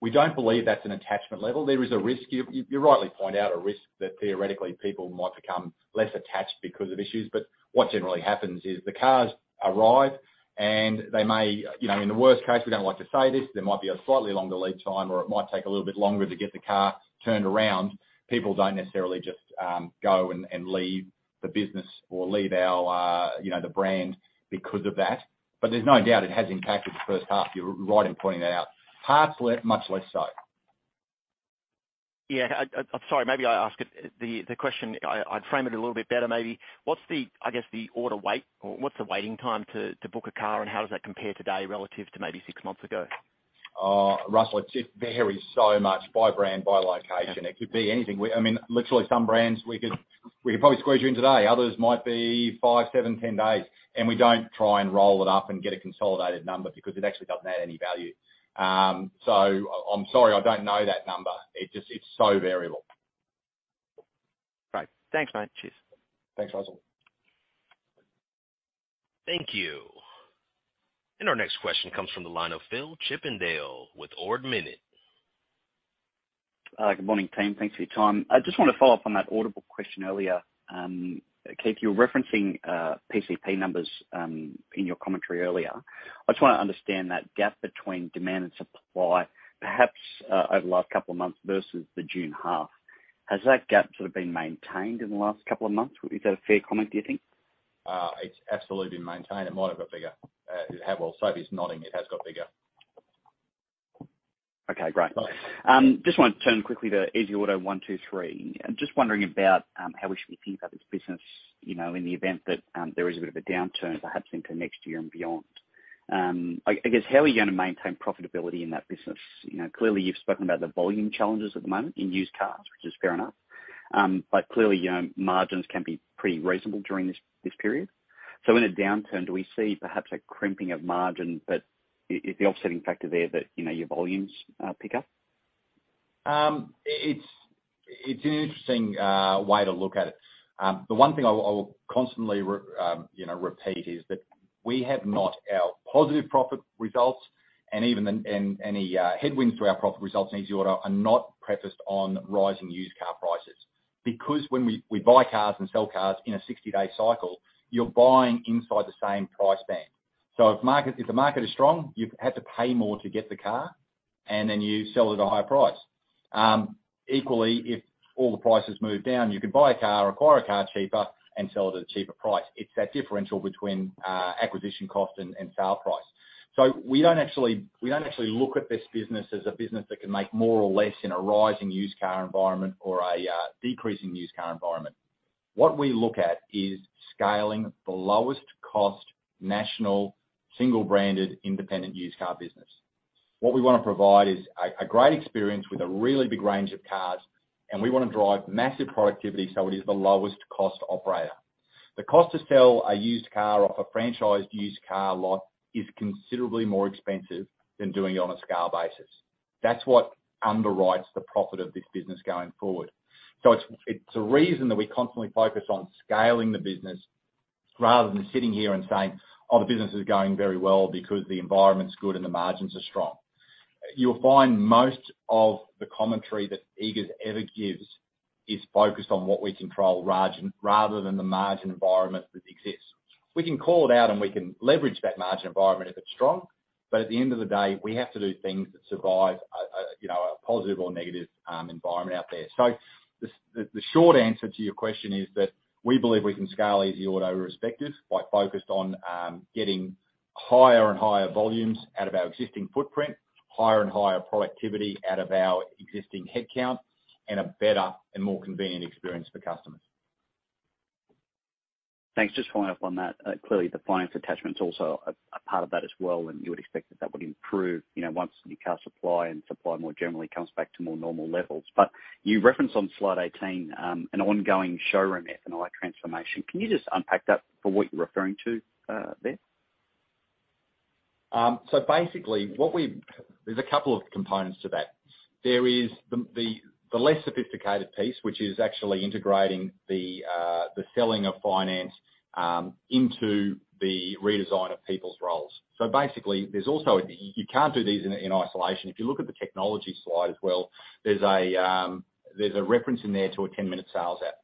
We don't believe that's an attachment level. There is a risk. You rightly point out a risk that theoretically People might become less attached because of issues. What generally happens is the cars arrive and they may, you know, in the worst case, we don't like to say this, there might be a slightly longer lead time or it might take a little bit longer to get the car turned around. People don't necessarily just go and leave the business or leave our, you know, the brand because of that. There's no doubt it has impacted the first half. You're right in pointing that out. Parts much less so. I'm sorry, maybe I'd frame it a little bit better. What's the, I guess, the order write, or what's the waiting time to book a car, and how does that compare today relative to maybe six months ago? Russell, it just varies so much by brand, by location. It could be anything. We, I mean, literally some brands we could probably squeeze you in today. Others might be 5, 7, 10 days. We don't try and roll it up and get a consolidated number because it actually doesn't add any value. I'm sorry, I don't know that number. It just, it's so variable. Great. Thanks, mate. Cheers. Thanks, Russell. Thank you. Our next question comes from the line of Phillip Chippindale with Ord Minnett. Good morning, team. Thanks for your time. I just want to follow up on that order book question earlier. Keith, you were referencing PCP numbers in your commentary earlier. I just wanna understand that gap between demand and supply, perhaps, over the last couple of months versus the June half. Has that gap sort of been maintained in the last couple of months? Is that a fair comment, do you think? It's absolutely been maintained. It might have got bigger. Well, Sophie's nodding. It has got bigger. Okay, great. Just want to turn quickly to easyauto123. I'm just wondering about how we should be thinking about this business, you know, in the event that there is a bit of a downturn perhaps into next year and beyond. I guess how are you gonna maintain profitability in that business? You know, clearly, you've spoken about the volume challenges at the moment in used cars, which is fair enough. But clearly, you know, margins can be pretty reasonable during this period. In a downturn, do we see perhaps a crimping of margin that is the offsetting factor there that, you know, your volumes pick up? It's an interesting way to look at it. The one thing I will constantly, you know, repeat is that we have not our positive profit results and even and any headwinds to our profit results in easyauto123 are not prefaced on rising used car prices. Because when we buy cars and sell cars in a 60-day cycle, you're buying inside the same price band. If the market is strong, you have to pay more to get the car, and then you sell at a higher price. Equally, if all the prices move down, you could buy a car or acquire a car cheaper and sell it at a cheaper price. It's that differential between acquisition cost and sale price. We don't actually look at this business as a business that can make more or less in a rising used car environment or a decreasing used car environment. What we look at is scaling the lowest cost national single-branded independent used car business. What we wanna provide is a great experience with a really big range of cars, and we wanna drive massive productivity so it is the lowest cost operator. The cost to sell a used car off a franchised used car lot is considerably more expensive than doing it on a scale basis. That's what underwrites the profit of this business going forward. It's the reason that we constantly focus on scaling the business rather than sitting here and saying, "Oh, the business is going very well because the environment's good and the margins are strong." You'll find most of the commentary that Eagers ever gives is focused on what we control rather than the margin environment that exists. We can call it out and we can leverage that margin environment if it's strong, but at the end of the day, we have to do things that survive a positive or negative environment out there. The short answer to your question is that we believe we can scale Easy Auto irrespective by focusing on getting higher and higher volumes out of our existing footprint, higher and higher productivity out of our existing headcount, and a better and more convenient experience for customers. Thanks. Just following up on that. Clearly the finance attachment's also a part of that as well, and you would expect that would improve, you know, once new car supply and supply more generally comes back to more normal levels. You reference on slide 18 an ongoing showroom F&I transformation. Can you just unpack that for what you're referring to there? Basically what we've... There's a couple of components to that. There is the less sophisticated piece, which is actually integrating the selling of finance into the redesign of People's roles. Basically there's also... You can't do these in isolation. If you look at the technology slide as well, there's a reference in there to a ten-minute sales app.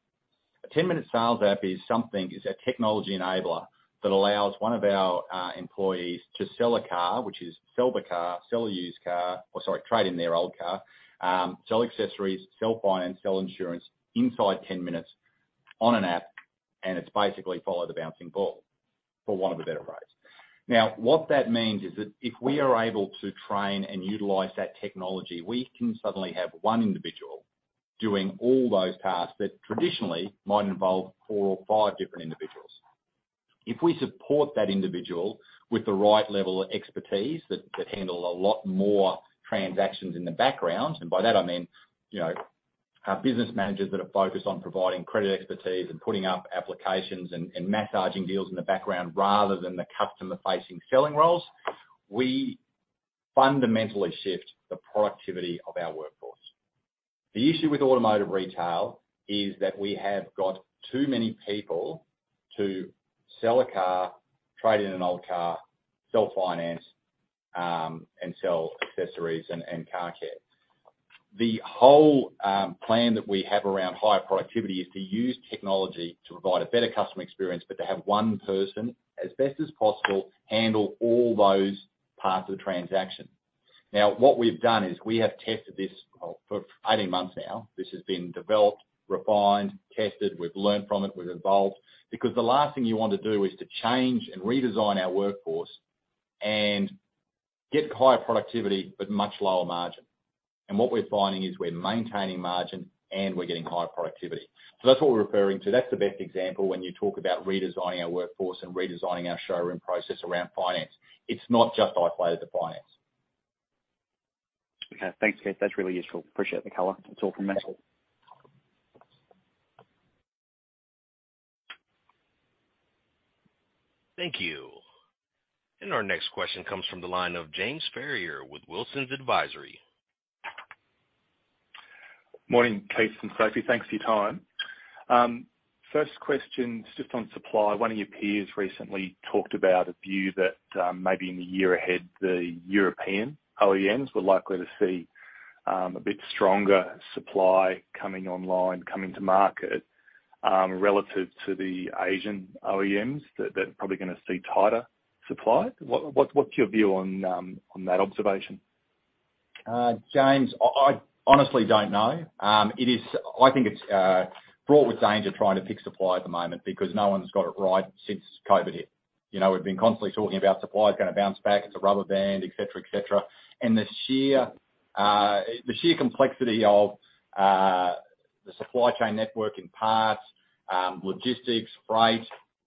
A ten-minute sales app is a technology enabler that allows one of our employees to sell a car, which is sell the car, sell a used car, or sorry, trade in their old car, sell accessories, sell finance, sell insurance inside ten minutes on an app, and it's basically follow the bouncing ball for want of a better phrase. Now, what that means is that if we are able to train and utilize that technology, we can suddenly have one individual doing all those tasks that traditionally might involve four or five different individuals. If we support that individual with the right level of expertise that handle a lot more transactions in the background, and by that I mean, you know, our business managers that are focused on providing credit expertise and putting up applications and massaging deals in the background rather than the customer-facing selling roles, we fundamentally shift the productivity of our workforce. The issue with automotive retail is that we have got too many People to sell a car, trade in an old car, sell finance, and sell accessories and car care. The whole plan that we have around higher productivity is to use technology to provide a better customer experience, but to have one person, as best as possible, handle all those parts of the transaction. Now, what we've done is we have tested this for 18 months now. This has been developed, refined, tested. We've learned from it. We've evolved. The last thing you want to do is to change and redesign our workforce and get higher productivity but much lower margin. What we're finding is we're maintaining margin and we're getting higher productivity. That's what we're referring to. That's the best example when you talk about redesigning our workforce and redesigning our showroom process around finance. It's not just isolated to finance. Okay. Thanks, Keith. That's really useful. Appreciate the color. That's all from me. Thank you. Our next question comes from the line of James Ferrier with Wilsons Advisory. Morning, Keith and Sophie. Thanks for your time. First question, just on supply. One of your peers recently talked about a view that, maybe in the year ahead, the European OEMs were likely to see, a bit stronger supply coming online, coming to market, relative to the Asian OEMs that are probably gonna see tighter supply. What's your view on that observation? James, I honestly don't know. I think it's fraught with danger trying to pick supply at the moment because no one's got it right since COVID hit. You know, we've been constantly talking about supply is gonna bounce back. It's a rubber band, et cetera, et cetera. The sheer complexity of the supply chain network in parts, logistics, freight,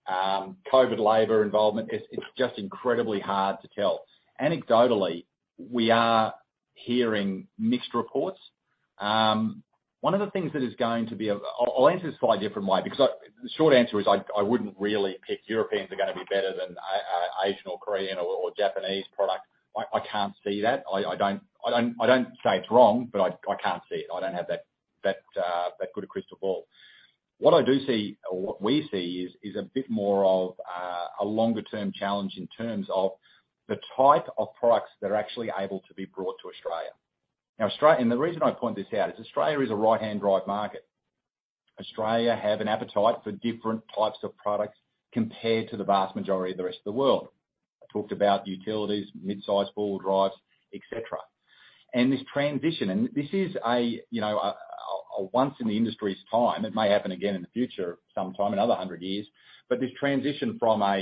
COVID labor involvement, it's just incredibly hard to tell. Anecdotally, we are hearing mixed reports. One of the things that is going to be a, I'll answer this probably a different way because the short answer is I wouldn't really pick Europeans are gonna be better than Asian or Korean or Japanese product. I can't see that. I don't say it's wrong, but I can't see it. I don't have that good a crystal ball. What I do see or what we see is a bit more of a longer-term challenge in terms of the type of products that are actually able to be brought to Australia. Now Australia and the reason I point this out is Australia is a right-hand drive market. Australia have an appetite for different types of products compared to the vast majority of the rest of the world. I talked about utilities, mid-size four-wheel drives, et cetera. This transition, this is a once in the industry's time, it may happen again in the future sometime another hundred years. This transition from a,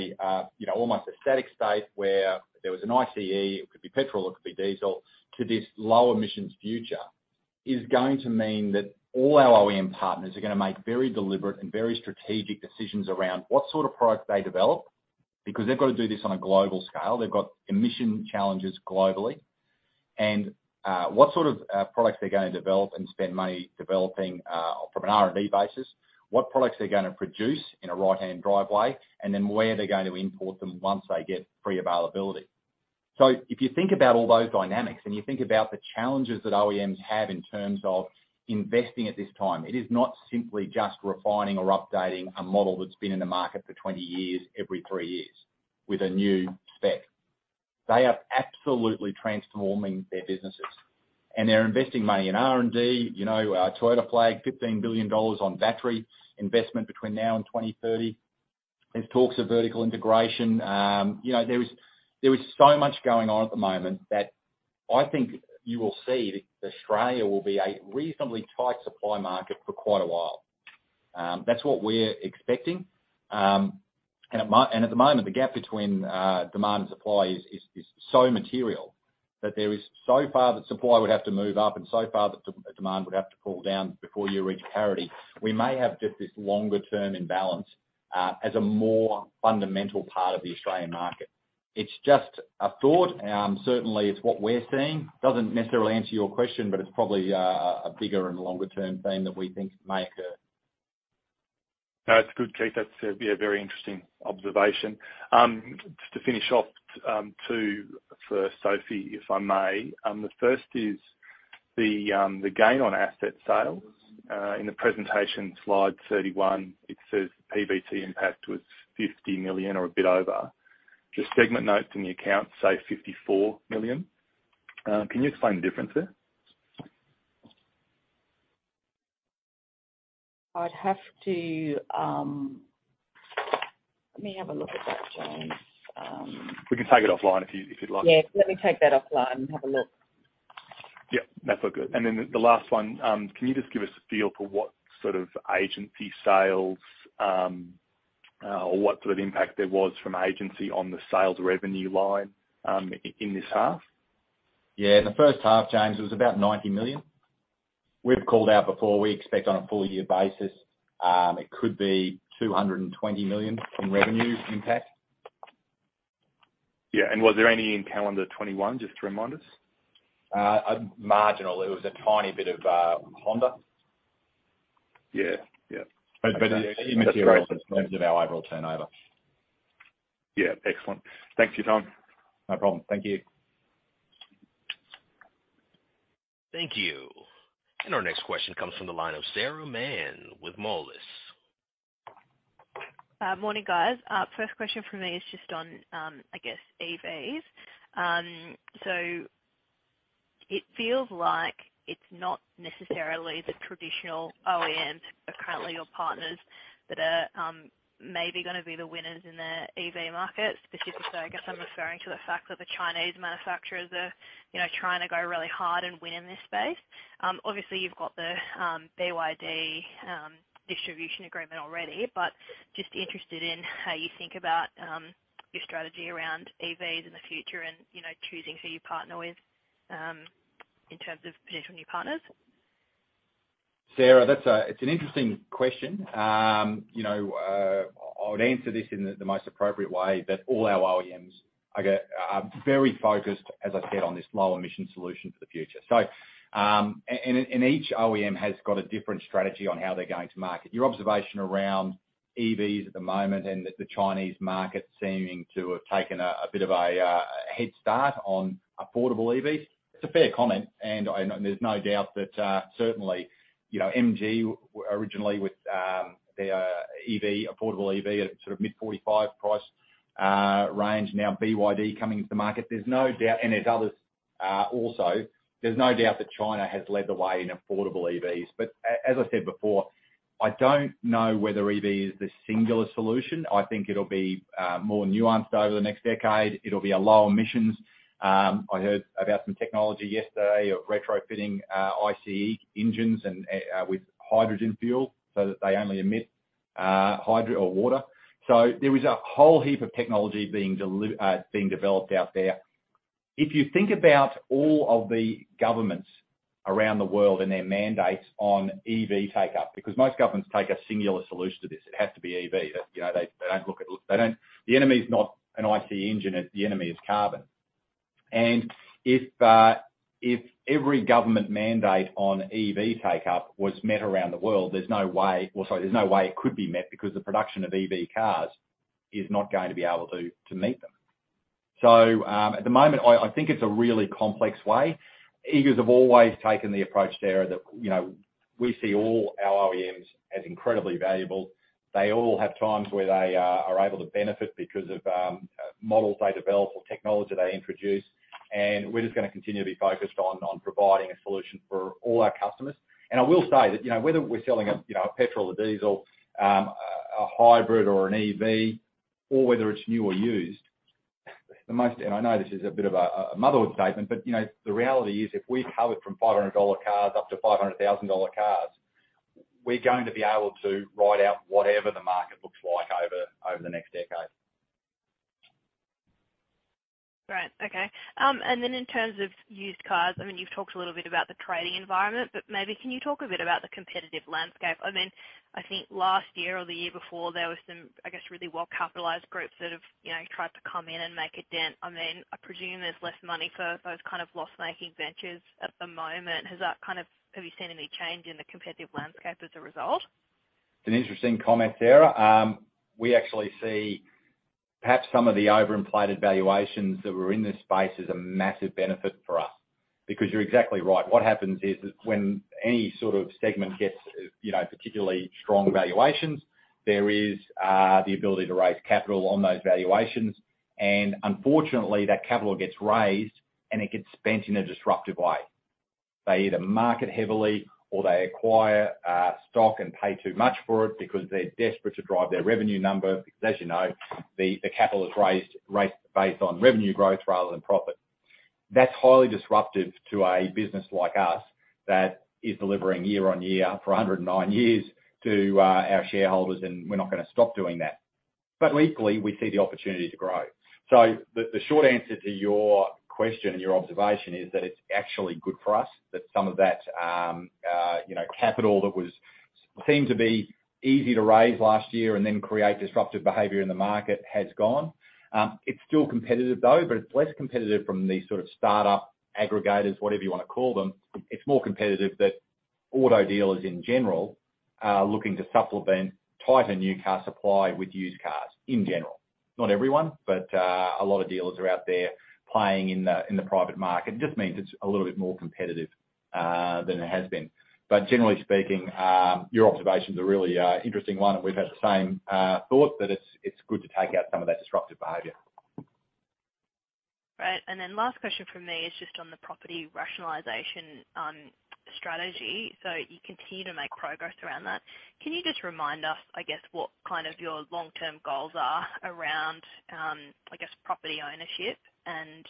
you know, almost a static state where there was an ICE, it could be petrol or it could be diesel, to this low emissions future is going to mean that all our OEM partners are gonna make very deliberate and very strategic decisions around what sort of products they develop, because they've got to do this on a global scale. They've got emission challenges globally. What sort of products they're gonna develop and spend money developing from an R&D basis. What products they're gonna produce in a right-hand drive way, and then where they're going to import them once they get free availability. If you think about all those dynamics and you think about the challenges that OEMs have in terms of investing at this time, it is not simply just refining or updating a model that's been in the market for 20 years, every three years with a new spec. They are absolutely transforming their businesses, and they're investing money in R&D. You know, Toyota flagged 15 billion dollars on battery investment between now and 2030. There's talks of vertical integration. You know, there is so much going on at the moment that I think you will see that Australia will be a reasonably tight supply market for quite a while. That's what we're expecting. At the moment, the gap between demand and supply is so material that there is so far that supply would have to move up and so far that demand would have to cool down before you reach parity. We may have just this longer term imbalance as a more fundamental part of the Australian market. It's just a thought. Certainly it's what we're seeing. Doesn't necessarily answer your question, but it's probably a bigger and longer-term theme that we think may occur. No, that's good, Keith. That's a very interesting observation. Just to finish off, two for Sophie, if I may. The first is the gain on asset sales. In the presentation, slide 31, it says PBT impact was 50 million or a bit over. The segment notes in the account say 54 million. Can you explain the difference there? I have to.. Let me have a look at that, James. We can take it offline if you'd like. Yeah. Let me take that offline and have a look. Yeah. That's all good. The last one, can you just give us a feel for what sort of agency sales, or what sort of impact there was from agency on the sales revenue line, in this half? Yeah, in the first half, James, it was about 90 million. We've called out before, we expect on a full year basis, it could be 220 million from revenue impact. Yeah. Was there any in calendar 2021, just to remind us? Marginally. It was a tiny bit of Honda. Yeah. Yeah. Immaterial in terms of our overall turnover. Yeah. Excellent. Thank you, Tom. No problem. Thank you. Thank you. Our next question comes from the line of Sarah Mann with Moelis. Morning, guys. First question from me is just on, I guess, EVs. So it feels like it's not necessarily the traditional OEMs that are currently your partners that are, maybe gonna be the winners in the EV market. Specifically, I guess I'm referring to the fact that the Chinese manufacturers are, you know, trying to go really hard and win in this space. Obviously you've got the, BYD, distribution agreement already, but just interested in how you think about, your strategy around EVs in the future and, you know, choosing who you partner with, in terms of potential new partners. Sarah, that's an interesting question. You know, I would answer this in the most appropriate way that all our OEMs are very focused, as I said, on this low emission solution for the future. Each OEM has got a different strategy on how they're going to market. Your observation around EVs at the moment and the Chinese market seeming to have taken a bit of a head start on affordable EVs, it's a fair comment. There's no doubt that certainly, you know, MG originally with their EV, affordable EV at a sort of mid-45 price range. Now BYD coming into the market. There's no doubt. There's others also. There's no doubt that China has led the way in affordable EVs. As I said before, I don't know whether EV is the singular solution. I think it'll be more nuanced over the next decade. It'll be a low emissions. I heard about some technology yesterday of retrofitting ICE engines with hydrogen fuel so that they only emit water vapor. There is a whole heap of technology being developed out there. If you think about all of the governments around the world and their mandates on EV take-up, because most governments take a singular solution to this. It has to be EV. That, you know, they don't look at. The enemy is not an ICE engine, the enemy is carbon. If every government mandate on EV take-up was met around the world, there's no way. Well, sorry, there's no way it could be met because the production of EV cars is not going to be able to meet them. At the moment, I think it's a really complex way. Eagers have always taken the approach, Sarah, that, you know, we see all our OEMs as incredibly valuable. They all have times where they are able to benefit because of models they develop or technology they introduce. And we're just gonna continue to be focused on providing a solution for all our customers. And I will say that, you know, whether we're selling a, you know, a petrol, a diesel, a hybrid or an EV, or whether it's new or used, the most. I know this is a bit of a motherhood statement, but, you know, the reality is if we cover from 500 dollar cars up to 500,000 dollar cars, we're going to be able to ride out whatever the market looks like over the next decade. Great. Okay. In terms of used cars, I mean, you've talked a little bit about the trading environment, but maybe can you talk a bit about the competitive landscape? I mean, I think last year or the year before, there was some, I guess, really well-capitalized groups that have, you know, tried to come in and make a dent. I mean, I presume there's less money for those kind of loss-making ventures at the moment. Have you seen any change in the competitive landscape as a result? It's an interesting comment, Sarah. We actually see perhaps some of the overinflated valuations that were in this space as a massive benefit for us because you're exactly right. What happens is when any sort of segment gets, you know, particularly strong valuations, there is the ability to raise capital on those valuations. And unfortunately, that capital gets raised, and it gets spent in a disruptive way. They either market heavily or they acquire stock and pay too much for it because they're desperate to drive their revenue number. Because as you know, the capital is raised based on revenue growth rather than profit. That's highly disruptive to a business like us that is delivering year-on-year for 109 years to our shareholders, and we're not gonna stop doing that. Equally, we see the opportunity to grow. The short answer to your question and your observation is that it's actually good for us that some of that, you know, capital seemed to be easy to raise last year and then create disruptive behavior in the market has gone. It's still competitive though, but it's less competitive from the sort of startup aggregators, whatever you wanna call them. It's more competitive that auto dealers in general are looking to supplement tighter new car supply with used cars in general. Not everyone, but a lot of dealers are out there playing in the private market. It just means it's a little bit more competitive than it has been. Generally speaking, your observation's a really interesting one, and we've had the same thought that it's good to take out some of that disruptive behavior. Right. Last question from me is just on the property rationalization strategy. You continue to make progress around that. Can you just remind us, I guess, what kind of your long-term goals are around, I guess, property ownership and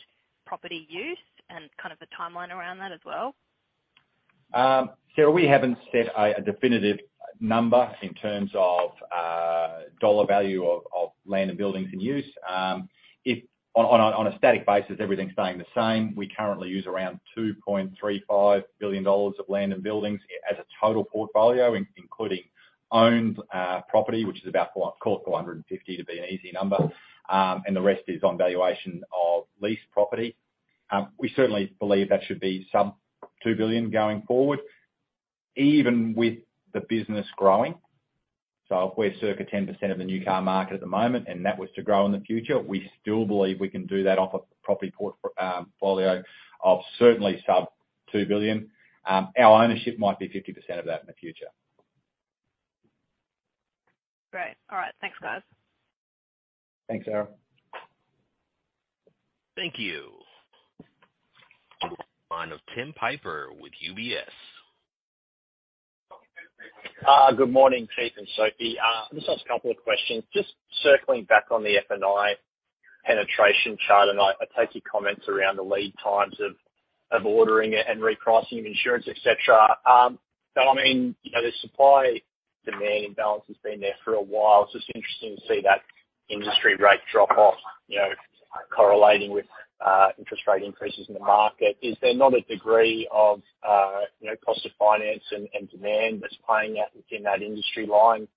property use and kind of the timeline around that as well? Sarah, we haven't set a definitive number in terms of dollar value of land and buildings in use. If on a static basis, everything staying the same, we currently use around 2.35 billion dollars of land and buildings as a total portfolio, including owned property, which is about, call it 450 million to be an easy number. And the rest is on valuation of leased property. We certainly believe that should be sub 2 billion going forward, even with the business growing. If we're circa 10% of the new car market at the moment and that was to grow in the future, we still believe we can do that off a property portfolio of certainly sub 2 billion. Our ownership might be 50% of that in the future. Great. All right. Thanks, guys. Thanks, Sarah. Thank you. The line of Tim Piper with UBS. Good morning, Pete and Sophie. Just ask a couple of questions. Just circling back on the F&I penetration chart, and I take your comments around the lead times of ordering and repricing of insurance, et cetera. I mean, you know, the supply-demand imbalance has been there for a while. It's just interesting to see that industry rate drop off, you know, correlating with interest rate increases in the market. Is there not a degree of, you know, cost of finance and demand that's playing out within that industry line?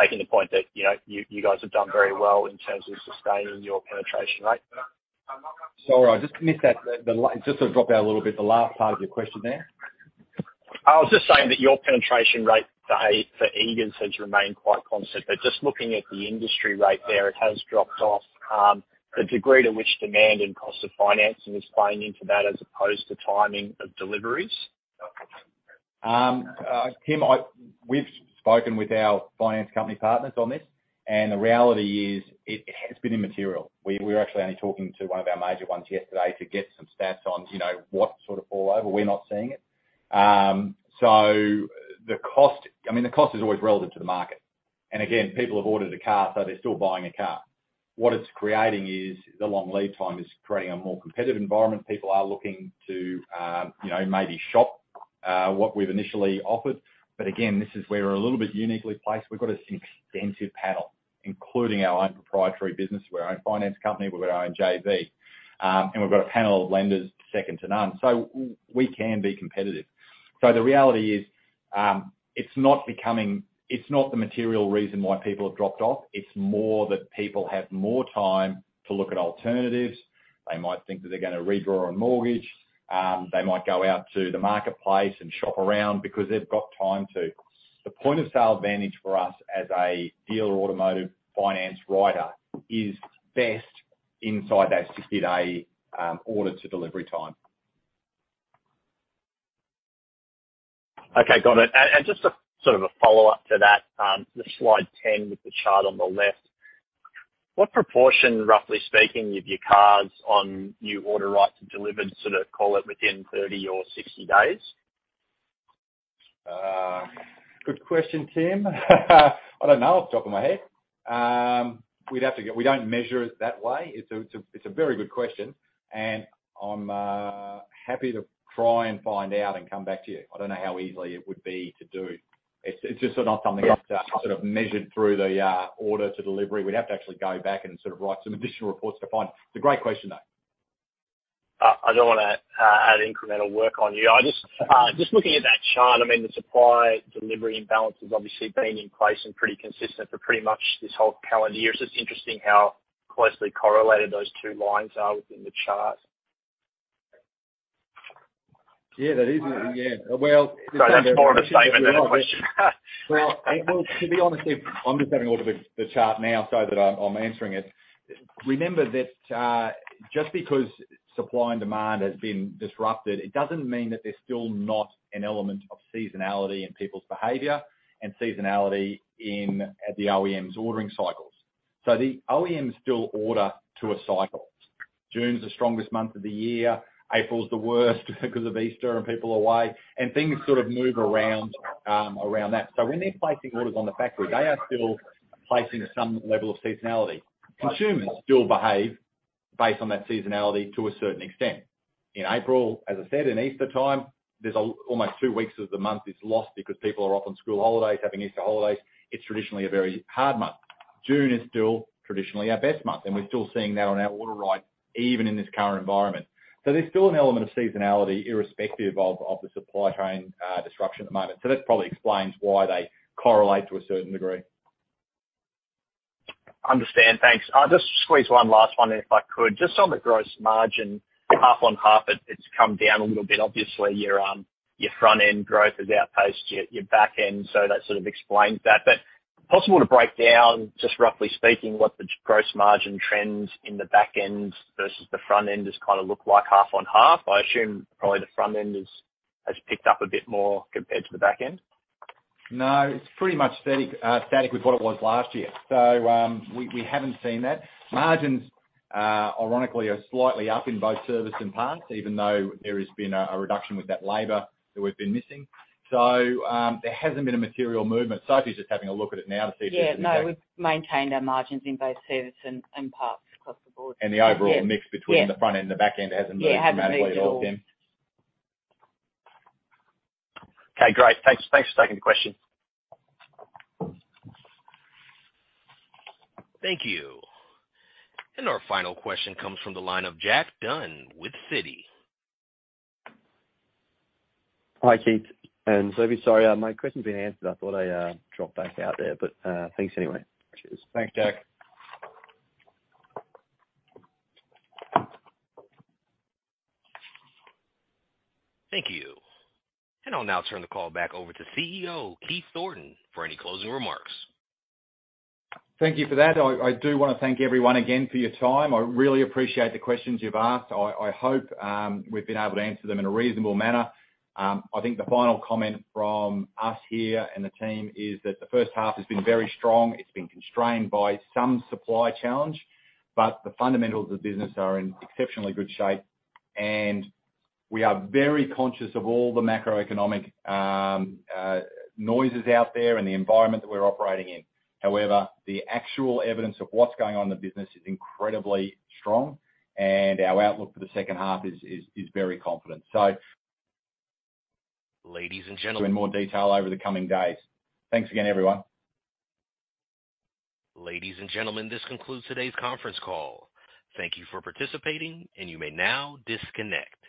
Taking the point that, you know, you guys have done very well in terms of sustaining your penetration rate. Sorry, I just missed that. It just sort of dropped out a little bit, the last part of your question there. I was just saying that your penetration rate for Eagers has remained quite constant. Just looking at the industry rate there, it has dropped off. The degree to which demand and cost of financing is playing into that as opposed to timing of deliveries. Tim, we've spoken with our finance company partners on this, and the reality is it has been immaterial. We were actually only talking to one of our major ones yesterday to get some stats on, you know, what sort of fall over. We're not seeing it. The cost, I mean, the cost is always relative to the market. Again, People have ordered a car, so they're still buying a car. What it's creating is the long lead time is creating a more competitive environment. People are looking to, you know, maybe shop what we've initially offered, but again, this is where we're a little bit uniquely placed. We've got this extensive panel, including our own proprietary business, we're our own finance company, we've got our own JV, and we've got a panel of lenders second to none, so we can be competitive. The reality is, it's not the material reason why People have dropped off. It's more that People have more time to look at alternatives. They might think that they're gonna redraw a mortgage. They might go out to the marketplace and shop around because they've got time to. The point-of-sale advantage for us as a dealer automotive finance writer is best inside that 60-day order to delivery time. Okay, got it. Just a sort of follow-up to that, the slide ten with the chart on the left. What proportion, roughly speaking, of your cars on new order write to delivered, sort of call it within 30 or 60 days? Good question, Tim. I don't know off the top of my head. We don't measure it that way. It's a very good question, and I'm happy to try and find out and come back to you. I don't know how easily it would be to do. It's just not something that's sort of measured through the order to delivery. We'd have to actually go back and sort of write some additional reports to find. It's a great question, though. I don't wanna add incremental work on you. I just looking at that chart, I mean, the supply delivery imbalance has obviously been in place and pretty consistent for pretty much this whole calendar year. It's just interesting how closely correlated those two lines are within the chart. Yeah, that is, yeah. Well. That's more of a statement than a question. Well, well, to be honest, Tim, I'm just having a look at the chart now, so that I'm answering it. Remember that just because supply and demand has been disrupted, it doesn't mean that there's still not an element of seasonality in People's behavior and seasonality in the OEMs ordering cycles. The OEMs still order to a cycle. June's the strongest month of the year. April's the worst because of Easter and People are away, and things sort of move around around that. When they're placing orders on the factory, they are still placing some level of seasonality. Consumers still behave based on that seasonality to a certain extent. In April, as I said, in Easter time, there's almost two weeks of the month is lost because People are off on school holidays, having Easter holidays. It's traditionally a very hard month. June is still traditionally our best month, and we're still seeing that on our order write, even in this current environment. There's still an element of seasonality, irrespective of the supply chain disruption at the moment. That probably explains why they correlate to a certain degree. Understand. Thanks. I'll just squeeze one last one if I could. Just on the gross margin, half on half, it's come down a little bit. Obviously, your front-end growth has outpaced your back end, so that sort of explains that. Possible to break down, just roughly speaking, what the gross margin trends in the back end versus the front end has kinda looked like half on half? I assume probably the front end has picked up a bit more compared to the back end. No, it's pretty much static with what it was last year. We haven't seen that. Margins, ironically, are slightly up in both service and parts, even though there has been a reduction with that labor that we've been missing. There hasn't been a material movement. Sophie's just having a look at it now to see if there's been- Yeah. No, we've maintained our margins in both service and parts across the board. The overall mix between. Yeah. The front end and the back end hasn't moved dramatically at all, Tim. Yeah, hasn't moved at all. Okay, great. Thanks for taking the question. Thank you. Our final question comes from the line of Jack Dunn with Citi. Hi, Keith and Sophie. Sorry, my question's been answered. I thought I dropped back out there, but, thanks anyway. Cheers. Thanks, Jack. Thank you. I'll now turn the call back over to CEO, Keith Thornton, for any closing remarks. Thank you for that. I do wanna thank everyone again for your time. I really appreciate the questions you've asked. I hope we've been able to answer them in a reasonable manner. I think the final comment from us here and the team is that the first half has been very strong. It's been constrained by some supply challenge, but the fundamentals of the business are in exceptionally good shape, and we are very conscious of all the macroeconomic noises out there and the environment that we're operating in. However, the actual evidence of what's going on in the business is incredibly strong, and our outlook for the second half is very confident sights. Ladies and gentlemen. In more detail over the coming days. Thanks again, everyone. Ladies and gentlemen, this concludes today's conference call. Thank you for participating, and you may now disconnect.